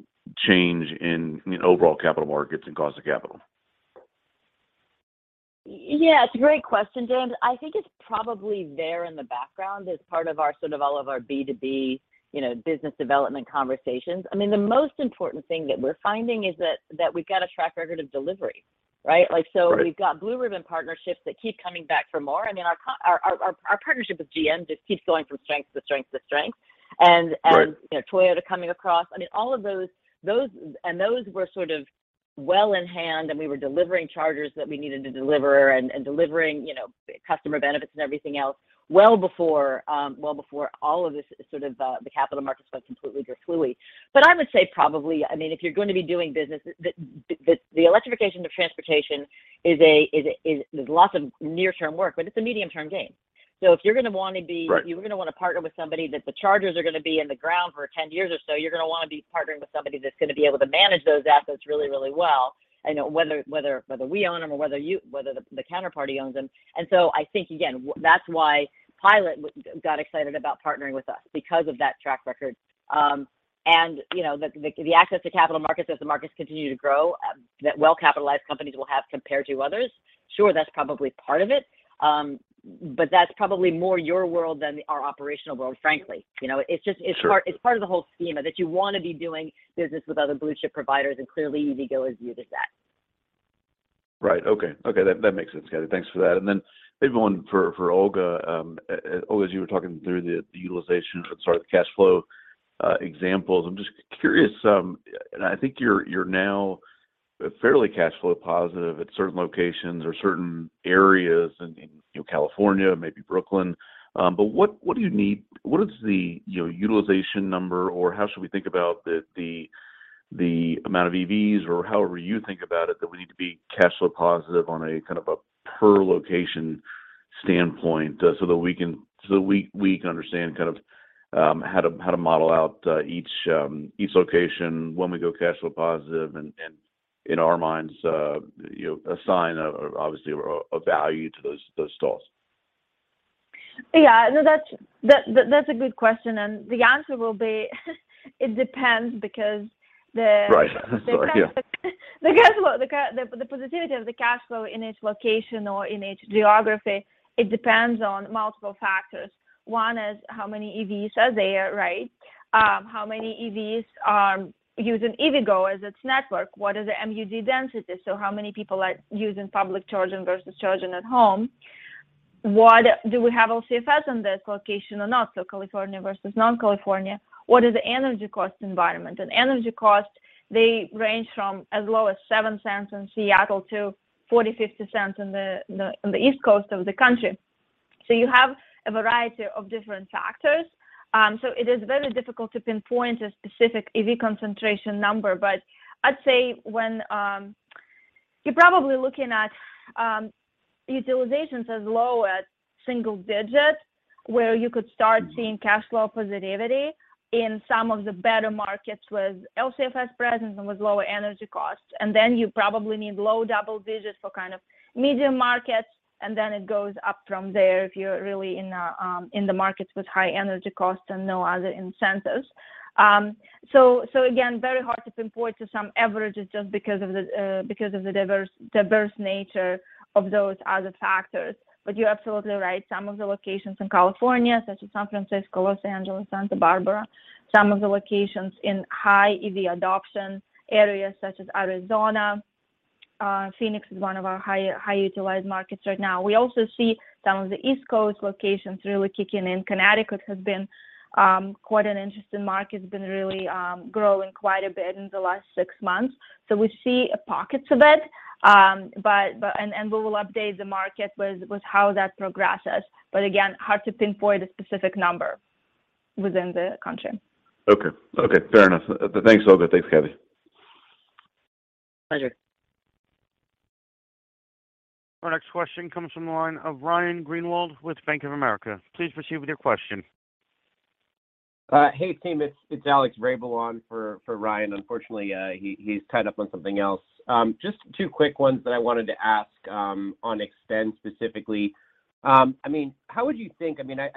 change in, I mean, overall capital markets and cost of capital. Yeah, it's a great question, James. I think it's probably there in the background as part of our sort of all of our B2B, you know, business development conversations. I mean, the most important thing that we're finding is that we've got a track record of delivery, right? Like, Right We've got blue ribbon partnerships that keep coming back for more. I mean, our partnership with GM just keeps going from strength to strength to strength. Right You know, Toyota coming across. I mean, all of those and those were sort of well in hand, and we were delivering chargers that we needed to deliver and delivering, you know, customer benefits and everything else well before well before all of this sort of the capital markets went completely dry. But I would say probably, I mean, if you're going to be doing business, the electrification of transportation is lots of near-term work, but it's a medium-term gain. If you're gonna wanna be- Right. You're gonna wanna partner with somebody that the chargers are gonna be in the ground for 10 years or so. You're gonna wanna be partnering with somebody that's gonna be able to manage those assets really, really well. I know whether we own them or whether the counterparty owns them. I think, again, that's why Pilot got excited about partnering with us because of that track record. You know, the access to capital markets as the markets continue to grow, that well-capitalized companies will have compared to others. Sure. That's probably part of it. That's probably more your world than our operational world, frankly. You know, it's just. Sure. It's part of the whole schema that you wanna be doing business with other blue chip providers, and clearly EVgo is viewed as that. Right. Okay. That makes sense, Cathy. Thanks for that. Maybe one for Olga. Olga, as you were talking through the utilization, sorry, the cash flow examples, I'm just curious. I think you're now fairly cash flow positive at certain locations or certain areas in you know, California, maybe Brooklyn. What do you need? What is the you know, utilization number? How should we think about the amount of EVs or however you think about it, that we need to be cash flow positive on a kind of a per location standpoint, so that we can understand kind of how to model out each location when we go cash flow positive. In our minds, you know, obviously assign a value to those stalls. Yeah. No, that's a good question. The answer will be it depends because the- Right. Sorry. Yeah. The cash flow, the positivity of the cash flow in each location or in each geography, it depends on multiple factors. One is how many EVs are there, right? How many EVs are using EVgo as its network? What is the MUD density? How many people are using public charging versus charging at home? Do we have LCFS in this location or not? California versus non-California. What is the energy cost environment? Energy cost, they range from as low as $0.07 in Seattle to $0.40-$0.50 in the East Coast of the country. You have a variety of different factors. It is very difficult to pinpoint a specific EV concentration number. I'd say when you're probably looking at utilizations as low as single digit, where you could start seeing cash flow positivity in some of the better markets with LCFS presence and with lower energy costs. Then you probably need low double digits for kind of medium markets, and then it goes up from there if you're really in the markets with high energy costs and no other incentives. Again, very hard to pinpoint to some averages just because of the diverse nature of those other factors. You're absolutely right. Some of the locations in California, such as San Francisco, Los Angeles, Santa Barbara, some of the locations in high EV adoption areas such as Arizona. Phoenix is one of our high utilized markets right now. We also see some of the East Coast locations really kicking in. Connecticut has been quite an interesting market, has been really growing quite a bit in the last six months. We see pockets of it. We will update the market with how that progresses. Again, hard to pinpoint a specific number within the country. Okay. Fair enough. Thanks, Olga. Thanks, Cathy. Pleasure. Our next question comes from the line of Ryan Greenwald with Bank of America. Please proceed with your question. Hey, team. It's Alex Rygiel for Ryan. Unfortunately, he's tied up on something else. Just two quick ones that I wanted to ask on eXtend specifically. I mean, I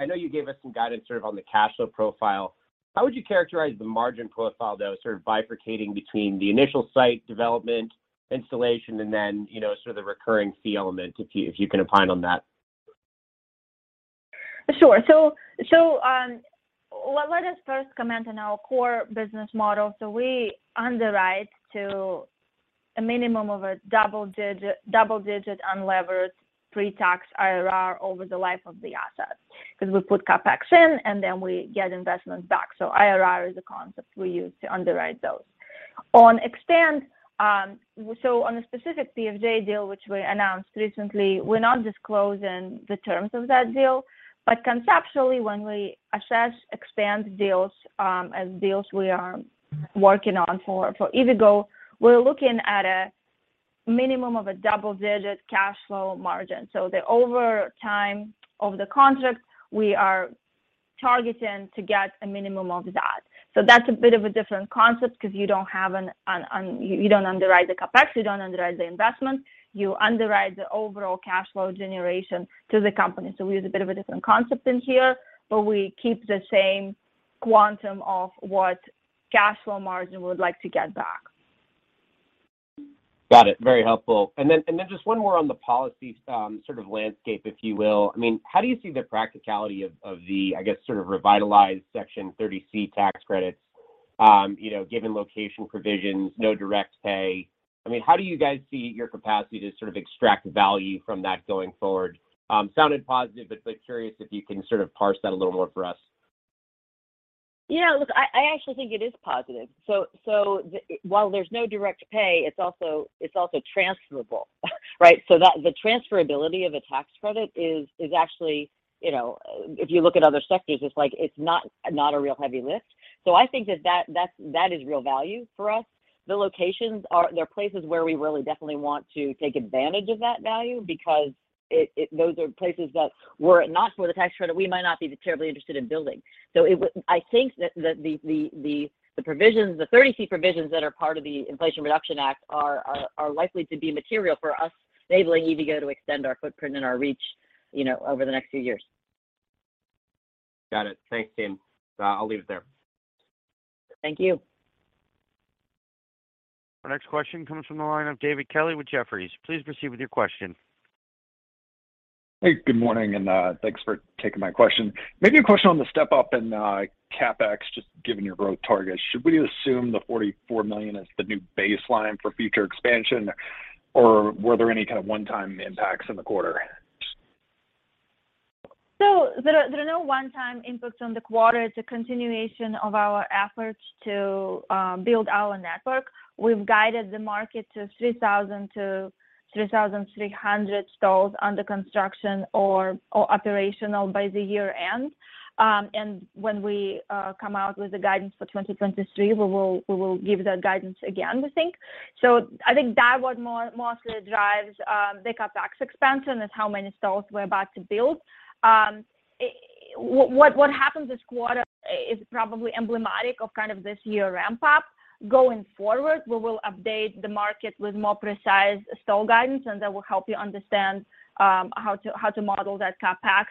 know you gave us some guidance sort of on the cash flow profile. How would you characterize the margin profile, though, sort of bifurcating between the initial site development, installation, and then, you know, sort of the recurring fee element, if you can opine on that? Sure. Let us first comment on our core business model. We underwrite to a minimum of a double-digit unlevered pre-tax IRR over the life of the asset because we put CapEx in, and then we get investment back. IRR is a concept we use to underwrite those. On eXtend, on a specific PFJ deal, which we announced recently, we're not disclosing the terms of that deal. Conceptually, when we assess eXtend deals, as deals we are working on for EVgo, we're looking at a minimum of a double-digit cash flow margin. Over time of the contract, we are targeting to get a minimum of that. That's a bit of a different concept because you don't underwrite the CapEx, you don't underwrite the investment. You underwrite the overall cash flow generation to the company. We use a bit of a different concept in here, but we keep the same quantum of what cash flow margin we would like to get back. Got it. Very helpful. Then just one more on the policy sort of landscape, if you will. I mean, how do you see the practicality of the, I guess, sort of revitalized Section 30C tax credits, you know, given location provisions, no direct pay? I mean, how do you guys see your capacity to sort of extract value from that going forward? Sounded positive, but curious if you can sort of parse that a little more for us. Yeah, look, I actually think it is positive. While there's no direct pay, it's also transferable, right? That the transferability of a tax credit is actually, you know, if you look at other sectors, it's like it's not a real heavy lift. I think that that is real value for us. The locations are. There are places where we really definitely want to take advantage of that value because it those are places that were it not for the tax credit, we might not be terribly interested in building. I think that the provisions, the 30C provisions that are part of the Inflation Reduction Act are likely to be material for us enabling EVgo to extend our footprint and our reach, you know, over the next few years. Got it. Thanks, team. I'll leave it there. Thank you. Our next question comes from the line of David Kelley with Jefferies. Please proceed with your question. Hey, good morning, and thanks for taking my question. Maybe a question on the step up and CapEx, just given your growth targets. Should we assume the $44 million is the new baseline for future expansion? Or were there any kind of one-time impacts in the quarter? There are no one-time impacts on the quarter. It's a continuation of our efforts to build our network. We've guided the market to 3,000-3,300 stalls under construction or operational by year-end. When we come out with the guidance for 2023, we will give that guidance again, we think. I think that what mostly drives the CapEx expense, and it's how many stalls we're about to build. What happened this quarter is probably emblematic of kind of this year ramp up. Going forward, we will update the market with more precise stall guidance, and that will help you understand how to model that CapEx.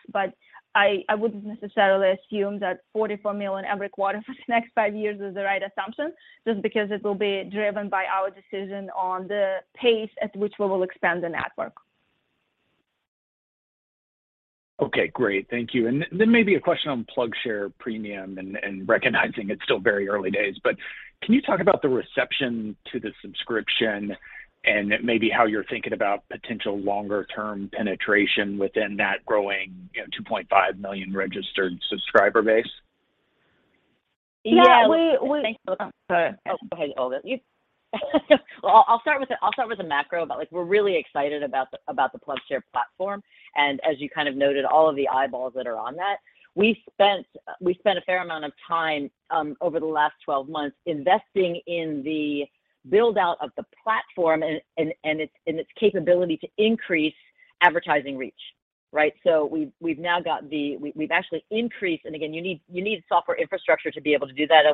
I wouldn't necessarily assume that $44 million every quarter for the next five years is the right assumption, just because it will be driven by our decision on the pace at which we will eXtend the network. Okay, great. Thank you. Then maybe a question on PlugShare Premium and recognizing it's still very early days. Can you talk about the reception to the subscription and maybe how you're thinking about potential longer term penetration within that growing, you know, 2.5 million registered subscriber base? Yeah. We Yeah. Thank you. Oh, go ahead, Olga. Well, I'll start with the macro, but like, we're really excited about the PlugShare platform, and as you kind of noted, all of the eyeballs that are on that. We spent a fair amount of time over the last 12 months investing in the build-out of the platform and its capability to increase advertising reach, right? Again, you need software infrastructure to be able to do that.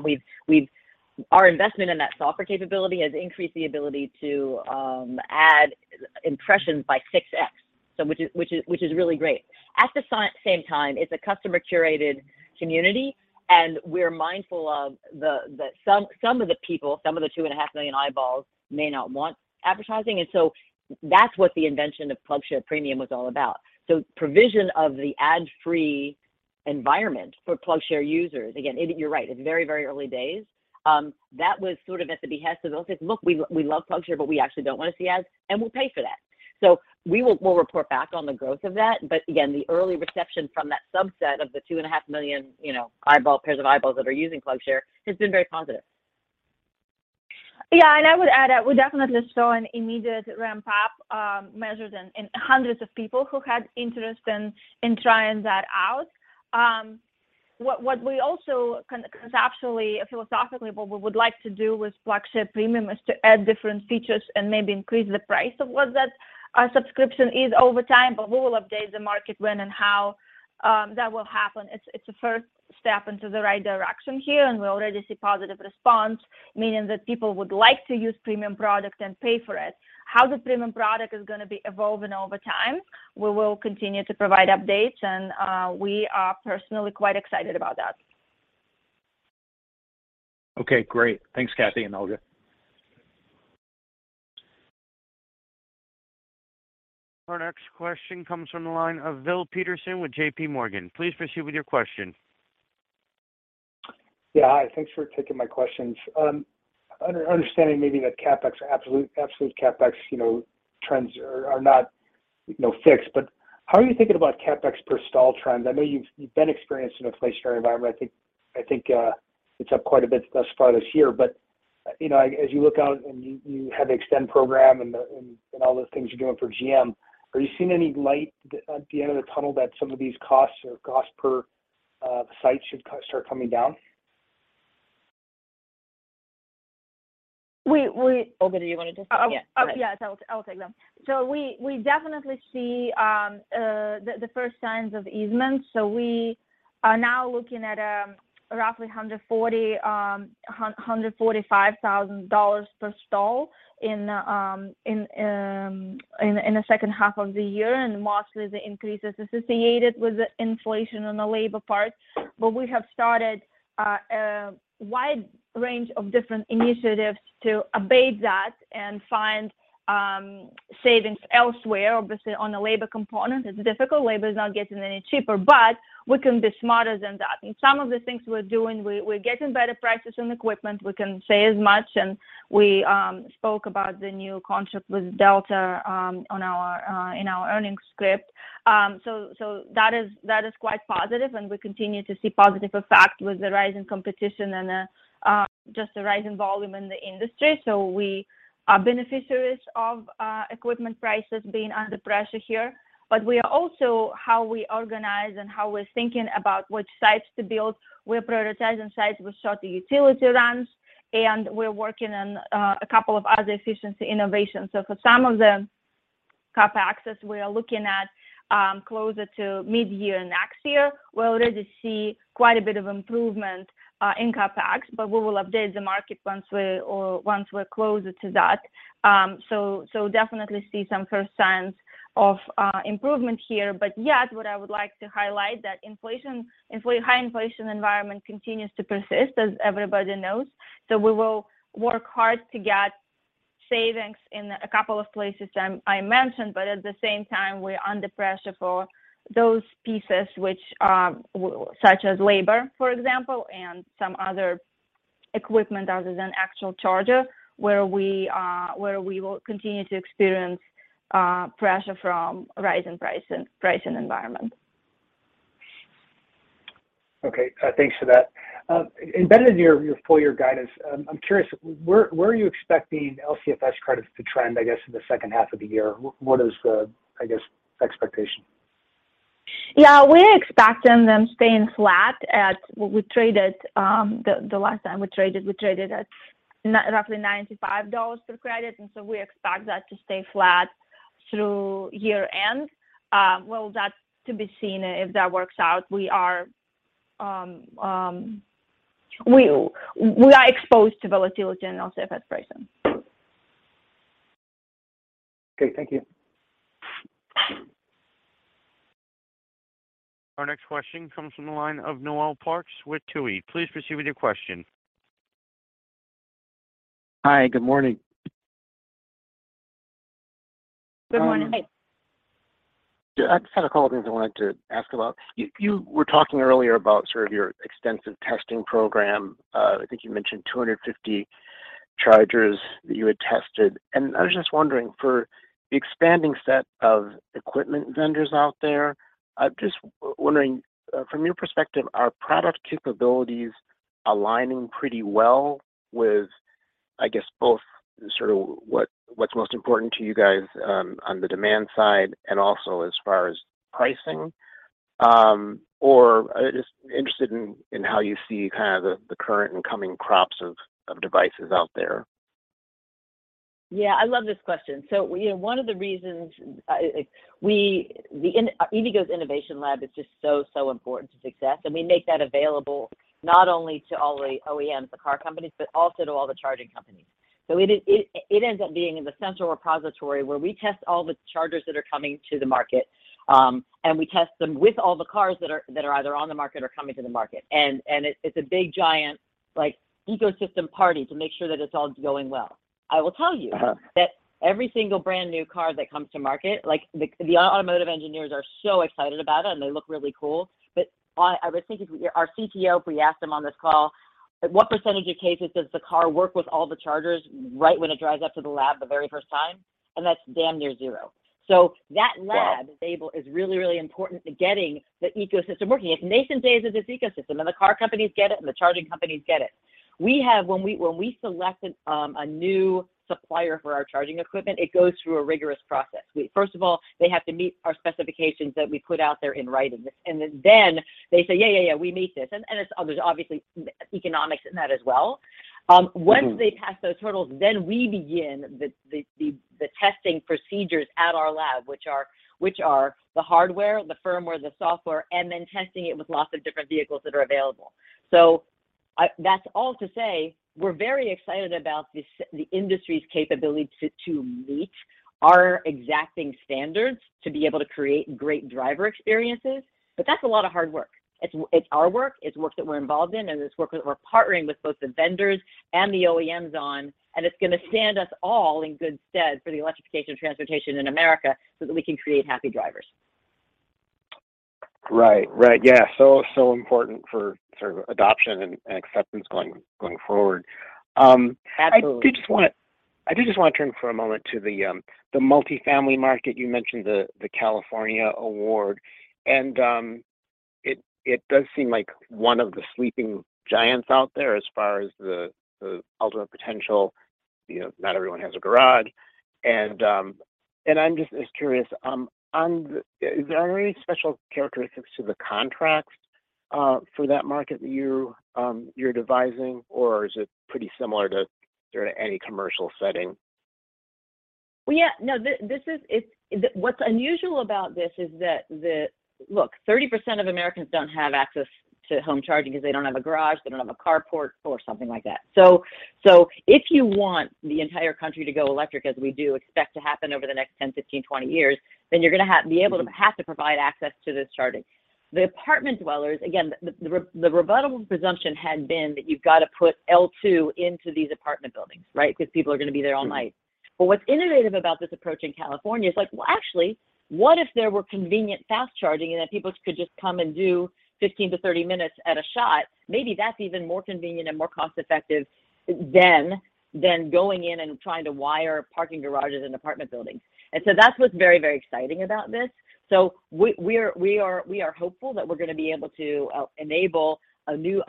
Our investment in that software capability has increased the ability to add impressions by 6x, which is really great. At the same time, it's a customer curated community, and we're mindful of some of the people, some of the 2.5 million eyeballs may not want advertising. That's what the invention of PlugShare Premium was all about. Provision of the ad-free environment for PlugShare users. Again, you're right, it's very, very early days. That was sort of at the behest of those saying, "Look, we love PlugShare, but we actually don't want to see ads, and we'll pay for that." We'll report back on the growth of that. But again, the early reception from that subset of the 2.5 million, you know, pairs of eyeballs that are using PlugShare has been very positive. Yeah, I would add that we definitely saw an immediate ramp up, measured in hundreds of people who had interest in trying that out. What we also conceptually, philosophically, would like to do with PlugShare Premium is to add different features and maybe increase the price of what that subscription is over time, but we will update the market when and how that will happen. It's a first step in the right direction here, and we already see positive response, meaning that people would like to use premium product and pay for it. How the premium product is gonna be evolving over time, we will continue to provide updates and we are personally quite excited about that. Okay, great. Thanks, Cathy and Olga. Our next question comes from the line of Bill Peterson with JPMorgan. Please proceed with your question. Yeah. Hi. Thanks for taking my questions. Understanding maybe that CapEx, absolute CapEx, you know, trends are not, you know, fixed, but how are you thinking about CapEx per stall trends? I know you've been experiencing an inflationary environment. I think it's up quite a bit thus far this year. You know, as you look out and you have the eXtend program and all the things you're doing for GM, are you seeing any light at the end of the tunnel that some of these costs or cost per site should start coming down? We. Olga, do you wanna just. Oh. Yeah. Go ahead. Oh, yeah. I'll take that. We definitely see the first signs of abatement. We are now looking at roughly $140,000-$145,000 per stall in the second half of the year, and mostly the increase is associated with the inflation on the labor part. We have started a wide range of different initiatives to abate that and find savings elsewhere. Obviously, on the labor component, it's difficult. Labor is not getting any cheaper. We can be smarter than that. Some of the things we're doing, we're getting better prices on equipment, we can say as much, and we spoke about the new contract with Delta in our earnings script. That is quite positive, and we continue to see positive effect with the rise in competition and just the rise in volume in the industry. We are beneficiaries of equipment prices being under pressure here. We are also how we organize and how we're thinking about which sites to build. We're prioritizing sites with shorter utility runs, and we're working on a couple of other efficiency innovations. For some of the CapEx as we are looking at closer to mid-year next year, we already see quite a bit of improvement in CapEx, but we will update the market once we're closer to that. Definitely see some first signs of improvement here. Yes, what I would like to highlight that inflation, high inflation environment continues to persist, as everybody knows. We will work hard to get savings in a couple of places I mentioned, but at the same time, we're under pressure for those pieces which, such as labor, for example, and some other equipment other than actual charger, where we will continue to experience, pressure from rising pricing environment. Okay. Thanks for that. Embedded in your full year guidance, I'm curious, where are you expecting LCFS credits to trend, I guess, in the second half of the year? What is the, I guess, expectation? We're expecting them staying flat at what we traded the last time we traded, we traded at roughly $95 per credit, so we expect that to stay flat through year-end. Well, that's to be seen if that works out. We are exposed to volatility in LCFS pricing. Okay. Thank you. Our next question comes from the line of Noel Parks with Tuohy Brothers. Please proceed with your question. Hi, good morning. Good morning. Hi. Yeah. I just had a couple of things I wanted to ask about. You were talking earlier about sort of your extensive testing program. I think you mentioned 250 chargers that you had tested. I was just wondering, for the expanding set of equipment vendors out there, I'm just wondering, from your perspective, are product capabilities aligning pretty well with, I guess, both sort of what's most important to you guys, on the demand side and also as far as pricing? Or just interested in how you see kind of the current and coming crops of devices out there. Yeah, I love this question. You know, one of the reasons, the EVgo Innovation Lab is just so important to success, and we make that available not only to all the OEMs, the car companies, but also to all the charging companies. It ends up being the central repository where we test all the chargers that are coming to the market, and we test them with all the cars that are either on the market or coming to the market. It is a big giant, like, ecosystem party to make sure that it is all going well. I will tell you. Uh-huh that every single brand new car that comes to market, like the automotive engineers are so excited about it, and they look really cool. I was thinking, our CTO, if we asked him on this call, at what percentage of cases does the car work with all the chargers right when it drives up to the lab the very first time? That's damn near zero. That lab Yeah is really, really important to getting the ecosystem working. It's nascent days of this ecosystem, and the car companies get it, and the charging companies get it. When we select a new supplier for our charging equipment, it goes through a rigorous process. First of all, they have to meet our specifications that we put out there in writing. Then they say, "Yeah, we meet this." It's obviously economics in that as well. Mm-hmm... once they pass those hurdles, then we begin the testing procedures at our lab, which are the hardware, the firmware, the software, and then testing it with lots of different vehicles that are available. That's all to say we're very excited about the industry's capability to meet our exacting standards to be able to create great driver experiences. That's a lot of hard work. It's our work. It's work that we're involved in, and it's work that we're partnering with both the vendors and the OEMs on, and it's gonna stand us all in good stead for the electrification of transportation in America so that we can create happy drivers. Right. Yeah. Important for sort of adoption and acceptance going forward. Absolutely I do just wanna turn for a moment to the multifamily market. You mentioned the California award. It does seem like one of the sleeping giants out there as far as the ultimate potential. You know, not everyone has a garage. I'm just as curious on the. Are there any special characteristics to the contracts for that market that you're devising, or is it pretty similar to sort of any commercial setting? Well, yeah, no. What's unusual about this is that the look, 30% of Americans don't have access to home charging 'cause they don't have a garage, they don't have a carport or something like that. If you want the entire country to go electric as we do expect to happen over the next 10, 15, 20 years, then you're gonna have to provide access to this charging. The apartment dwellers, again, the rebuttable presumption had been that you've got to put L2 into these apartment buildings, right? 'Cause people are gonna be there all night. Mm-hmm. What's innovative about this approach in California is like, well, actually, what if there were convenient fast charging and that people could just come and do 15-30 minutes at a shot? Maybe that's even more convenient and more cost-effective than going in and trying to wire parking garages and apartment buildings. That's what's very, very exciting about this. We are hopeful that we're gonna be able to enable a new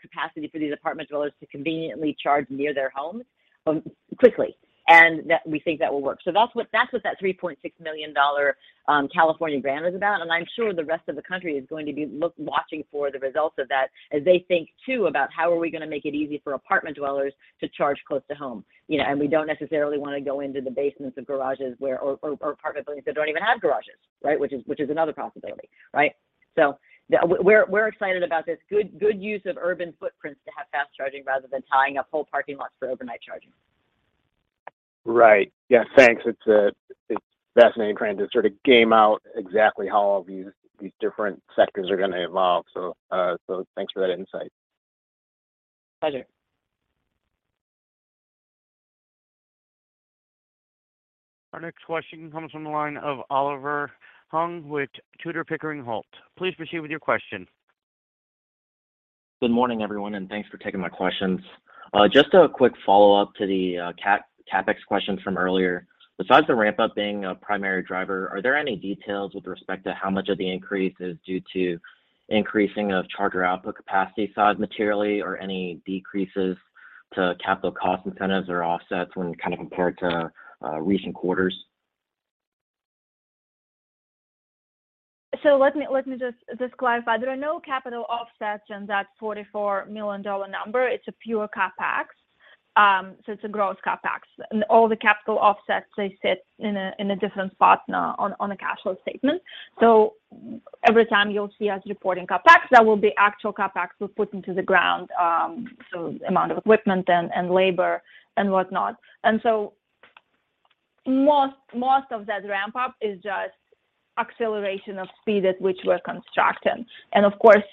capacity for these apartment dwellers to conveniently charge near their homes, quickly, and that we think that will work. That's what that $3.6 million California grant is about, and I'm sure the rest of the country is going to be watching for the results of that as they think too about how are we gonna make it easy for apartment dwellers to charge close to home. You know, and we don't necessarily wanna go into the basements of garages or apartment buildings that don't even have garages, right? Which is another possibility, right? Yeah, we're excited about this. Good use of urban footprints to have fast charging rather than tying up whole parking lots for overnight charging. Right. Yeah, thanks. It's fascinating trying to sort of game out exactly how all these different sectors are gonna evolve. Thanks for that insight. Pleasure. Our next question comes from the line of Oliver Huang with Tudor, Pickering, Holt. Please proceed with your question. Good morning, everyone, and thanks for taking my questions. Just a quick follow-up to the CapEx question from earlier. Besides the ramp-up being a primary driver, are there any details with respect to how much of the increase is due to increasing of charger output capacity size materially or any decreases to capital cost incentives or offsets when kind of compared to recent quarters? Let me just clarify. There are no capital offsets in that $44 million number. It's a pure CapEx. It's a gross CapEx. All the capital offsets, they sit in a different spot now on a cash flow statement. Every time you'll see us reporting CapEx, that will be actual CapEx we've put into the ground, amount of equipment and labor and whatnot. Most of that ramp-up is just acceleration of speed at which we're constructing. Of course,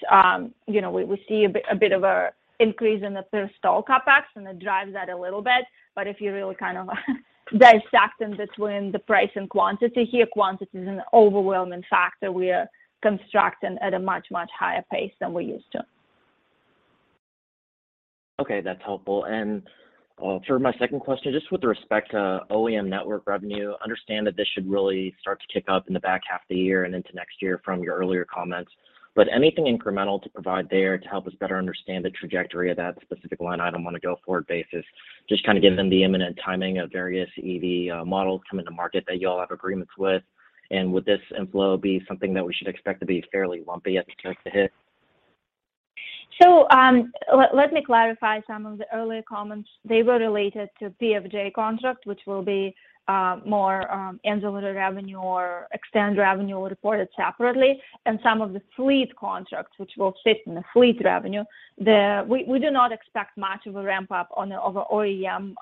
you know, we see a bit of an increase in the install CapEx, and it drives that a little bit. If you really kind of dissect in between the price and quantity here, quantity is an overwhelming factor. We are constructing at a much, much higher pace than we used to. Okay, that's helpful. For my second question, just with respect to OEM network revenue, understand that this should really start to kick up in the back half of the year and into next year from your earlier comments. Anything incremental to provide there to help us better understand the trajectory of that specific line item on a go-forward basis, just kind of given the imminent timing of various EV models coming to market that y'all have agreements with? Would this inflow be something that we should expect to be fairly lumpy as it starts to hit? Let me clarify some of the earlier comments. They were related to PFJ contract, which will be more ancillary revenue or eXtend revenue reported separately and some of the fleet contracts which will sit in the fleet revenue. We do not expect much of a ramp-up on the OEM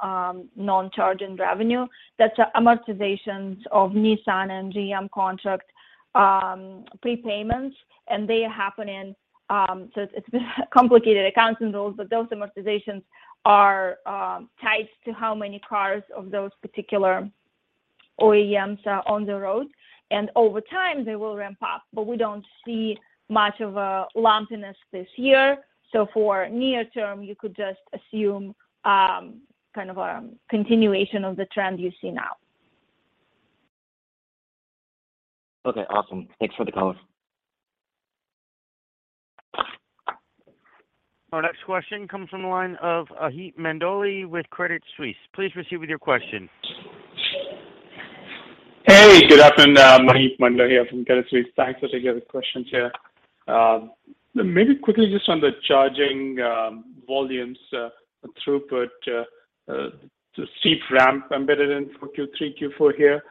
non-charging revenue. That's amortizations of Nissan and GM contract prepayments, and they happen in. It's been complicated accounting those, but those amortizations are tied to how many cars of those particular OEMs are on the road. Over time, they will ramp up, but we don't see much of a lumpiness this year. For near term, you could just assume kind of a continuation of the trend you see now. Okay, awesome. Thanks for the color. Our next question comes from the line of Maheep Mandloi with Credit Suisse. Please proceed with your question. Good afternoon. Maheep Mandloi here from Credit Suisse. Thanks for taking the questions here. Maybe quickly just on the charging volumes and throughput, the steep ramp embedded in for Q3, Q4 here.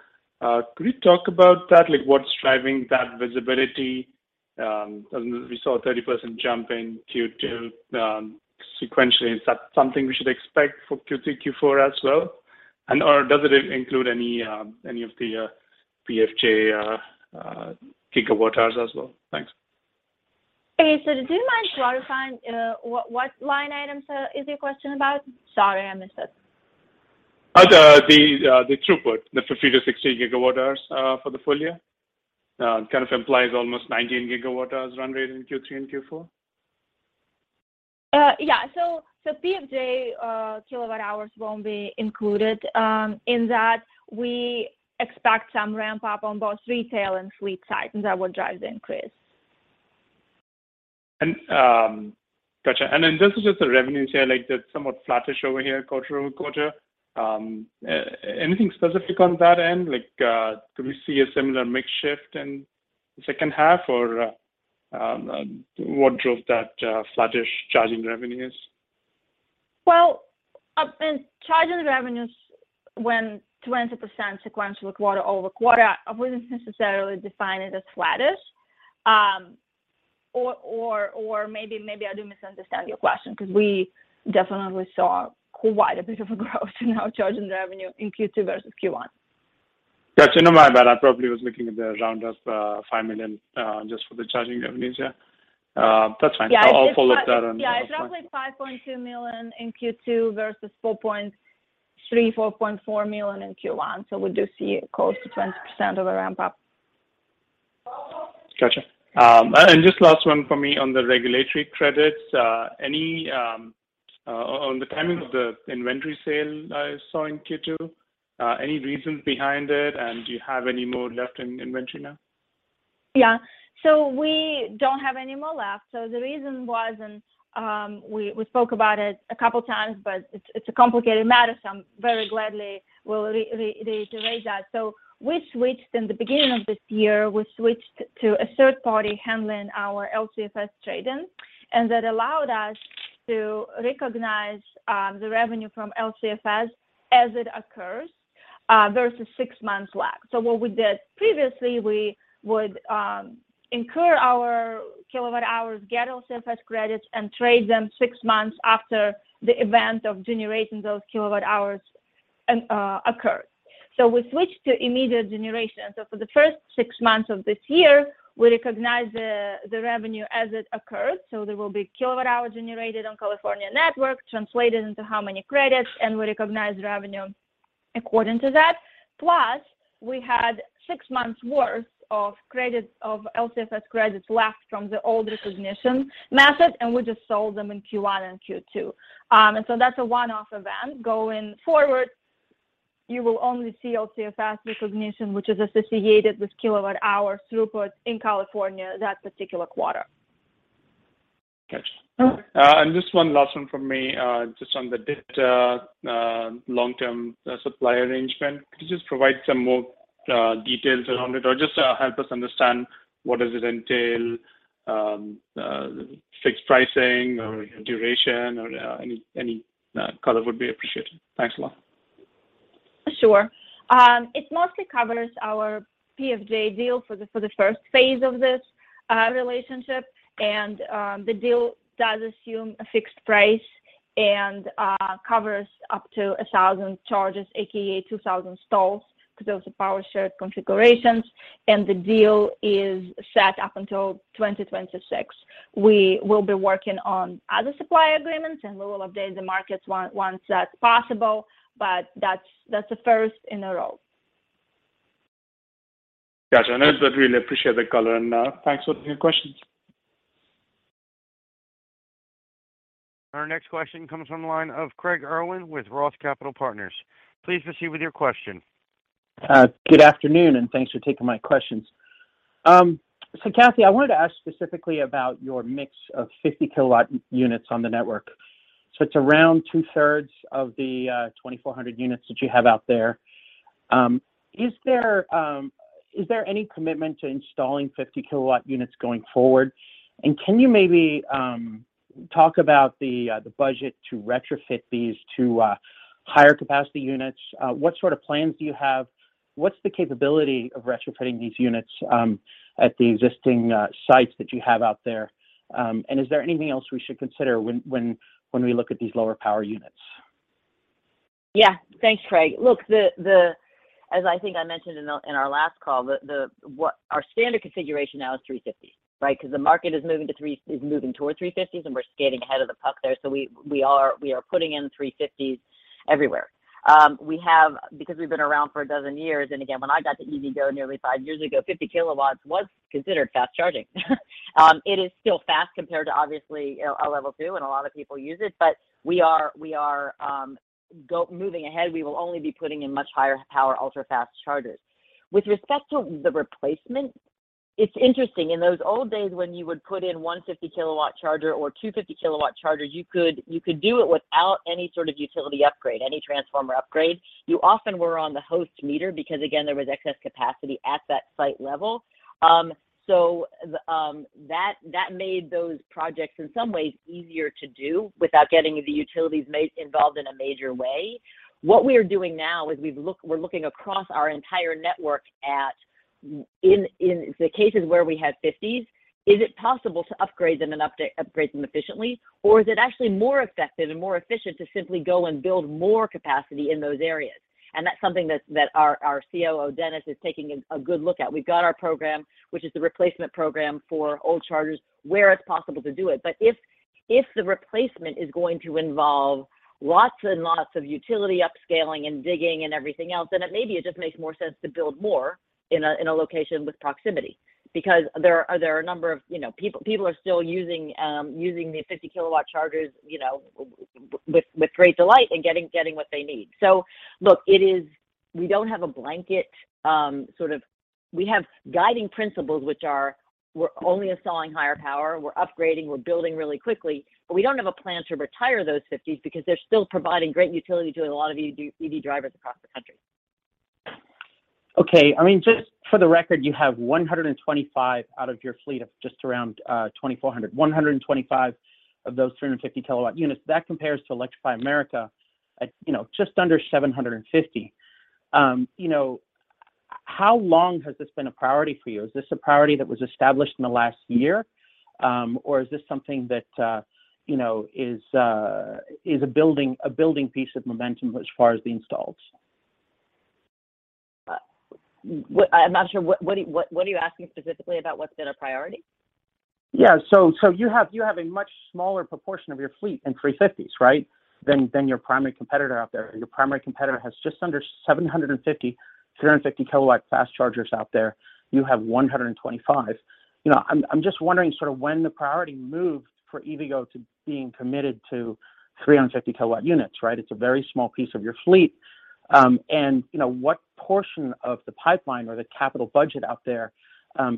Could you talk about that? Like, what's driving that visibility? As we saw a 30% jump in Q2 sequentially. Is that something we should expect for Q3, Q4 as well? Or does it include any of the PFJ eXtend as well? Thanks. Hey, do you mind clarifying what line items is your question about? Sorry, I missed it. The throughput, the 50 GW-60 GW for the full year. It kind of implies almost 19 GW run rate in Q3 and Q4. PFJ, kilowatt hours won't be included in that. We expect some ramp-up on both retail and fleet side, and that will drive the increase. Gotcha. Just with the revenues here, like, they're somewhat flattish over here quarter-over-quarter. Anything specific on that end? Like, could we see a similar mix shift in the second half? Or, what drove that, flattish charging revenues? Charging revenues grew 20% sequential quarter-over-quarter. I wouldn't necessarily define it as flattish. Maybe I do misunderstand your question because we definitely saw quite a bit of growth in our charging revenue in Q2 versus Q1. Got you. No, my bad. I probably was looking at the round up, $5 million just for the charging revenues, yeah. That's fine. Yeah. I'll follow up on that. Yeah, it's roughly $5.2 million in Q2 versus $4.3, $4.4 million in Q1. We do see close to 20% of a ramp-up. Gotcha. Just last one for me on the regulatory credits. Any on the timing of the inventory sale I saw in Q2, any reasons behind it? Do you have any more left in inventory now? Yeah. We don't have any more left. The reason was, we spoke about it a couple times, but it's a complicated matter. I'm very glad to reiterate that. We switched in the beginning of this year to a third party handling our LCFS trading, and that allowed us to recognize the revenue from LCFS as it occurs. Versus six months lag. What we did previously, we would incur our kilowatt hours, get LCFS credits, and trade them six months after the event of generating those kilowatt hours occurred. We switched to immediate generation. For the first six months of this year, we recognized the revenue as it occurred. There will be kilowatt hours generated on California network, translated into how many credits, and we recognized revenue according to that. Plus, we had six months worth of LCFS credits left from the old recognition method, and we just sold them in Q1 and Q2. That's a one-off event. Going forward, you will only see LCFS recognition, which is associated with kilowatt hour throughput in California that particular quarter. Gotcha. Okay. Just one last one from me, just on the Delta long-term supply arrangement. Could you just provide some more details around it or just help us understand what does it entail, fixed pricing or duration or any color would be appreciated? Thanks a lot. Sure. It mostly covers our PFJ deal for the first phase of this relationship. The deal does assume a fixed price and covers up to 1,000 chargers, AKA 2,000 stalls, 'cause those are power shared configurations, and the deal is set up until 2026. We will be working on other supply agreements, and we will update the markets once that's possible, but that's the first in a row. Gotcha. I really appreciate the color, and thanks for taking the questions. Our next question comes from the line of Craig Irwin with Roth Capital Partners. Please proceed with your question. Good afternoon, and thanks for taking my questions. Cathy, I wanted to ask specifically about your mix of 50 kW units on the network. It's around 2/3 of the 2,400 units that you have out there. Is there any commitment to installing 50 kW units going forward? Can you maybe talk about the budget to retrofit these to higher capacity units? What sort of plans do you have? What's the capability of retrofitting these units at the existing sites that you have out there? Is there anything else we should consider when we look at these lower power units? Yeah. Thanks, Craig. Look, as I think I mentioned in our last call, what our standard configuration now is 350s, right? 'Cause the market is moving towards 350s, and we're skating ahead of the puck there. We are putting in 350s everywhere. Because we've been around for 12 years, and again, when I got to EVgo nearly five years ago, 50 kW was considered fast charging. It is still fast compared to obviously a level two, and a lot of people use it, but we are moving ahead, we will only be putting in much higher power ultra-fast chargers. With respect to the replacement, it's interesting. In those old days, when you would put in one 150-kW charger or two 250-kW chargers, you could do it without any sort of utility upgrade, any transformer upgrade. You often were on the host meter because, again, there was excess capacity at that site level. So that made those projects in some ways easier to do without getting the utilities involved in a major way. What we are doing now is we're looking across our entire network at in the cases where we had 50s, is it possible to upgrade them and upgrade them efficiently, or is it actually more effective and more efficient to simply go and build more capacity in those areas? That's something that our COO, Dennis, is taking a good look at. We've got our program, which is the replacement program for old chargers where it's possible to do it. If the replacement is going to involve lots and lots of utility upscaling and digging and everything else, then maybe it just makes more sense to build more in a location with proximity. There are a number of. You know, people are still using the 50 kW chargers, you know, with great delight and getting what they need. Look, it is we don't have a blanket sort of. We have guiding principles, which are, we're only installing higher power, we're upgrading, we're building really quickly, but we don't have a plan to retire those 50s because they're still providing great utility to a lot of EV drivers across the country. Okay. I mean, just for the record, you have 125 out of your fleet of just around 2,400. 125 of those 350-kW units, that compares to Electrify America at, you know, just under 750. You know, how long has this been a priority for you? Is this a priority that was established in the last year, or is this something that, you know, is a building piece of momentum as far as the installs? I'm not sure. What are you asking specifically about what's been a priority? Yeah. You have a much smaller proportion of your fleet in 350s, right? Than your primary competitor out there. Your primary competitor has just under 750 350 kW fast chargers out there. You have 125. You know, I'm just wondering when the priority moved for EVgo to being committed to 350 kW units, right? It's a very small piece of your fleet. You know, what portion of the pipeline or the capital budget out there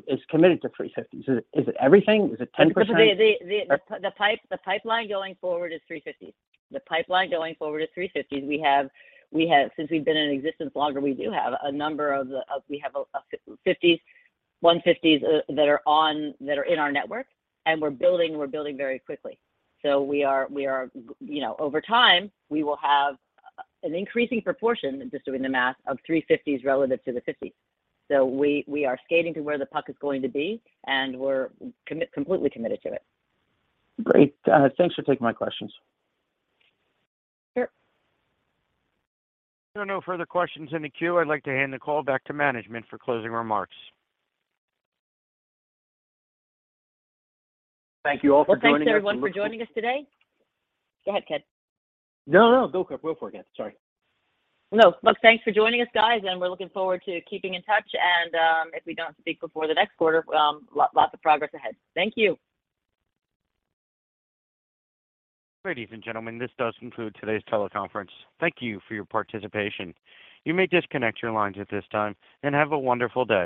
is committed to 350s? Is it everything? Is it 10%? The pipeline going forward is 350s. Since we've been in existence longer, we do have a number of. We have 50s, 150s that are in our network, and we're building very quickly. So we are. You know, over time, we will have an increasing proportion, just doing the math, of 350s relative to the 50s. So we are skating to where the puck is going to be, and we're completely committed to it. Great. Thanks for taking my questions. Sure. There are no further questions in the queue. I'd like to hand the call back to management for closing remarks. Well, thanks everyone for joining us today. Thank you all for joining us. Go ahead, Ted. No. Go for it. Sorry. No. Look, thanks for joining us, guys, and we're looking forward to keeping in touch and, if we don't speak before the next quarter, lots of progress ahead. Thank you. Ladies and gentlemen, this does conclude today's teleconference. Thank you for your participation. You may disconnect your lines at this time, and have a wonderful day.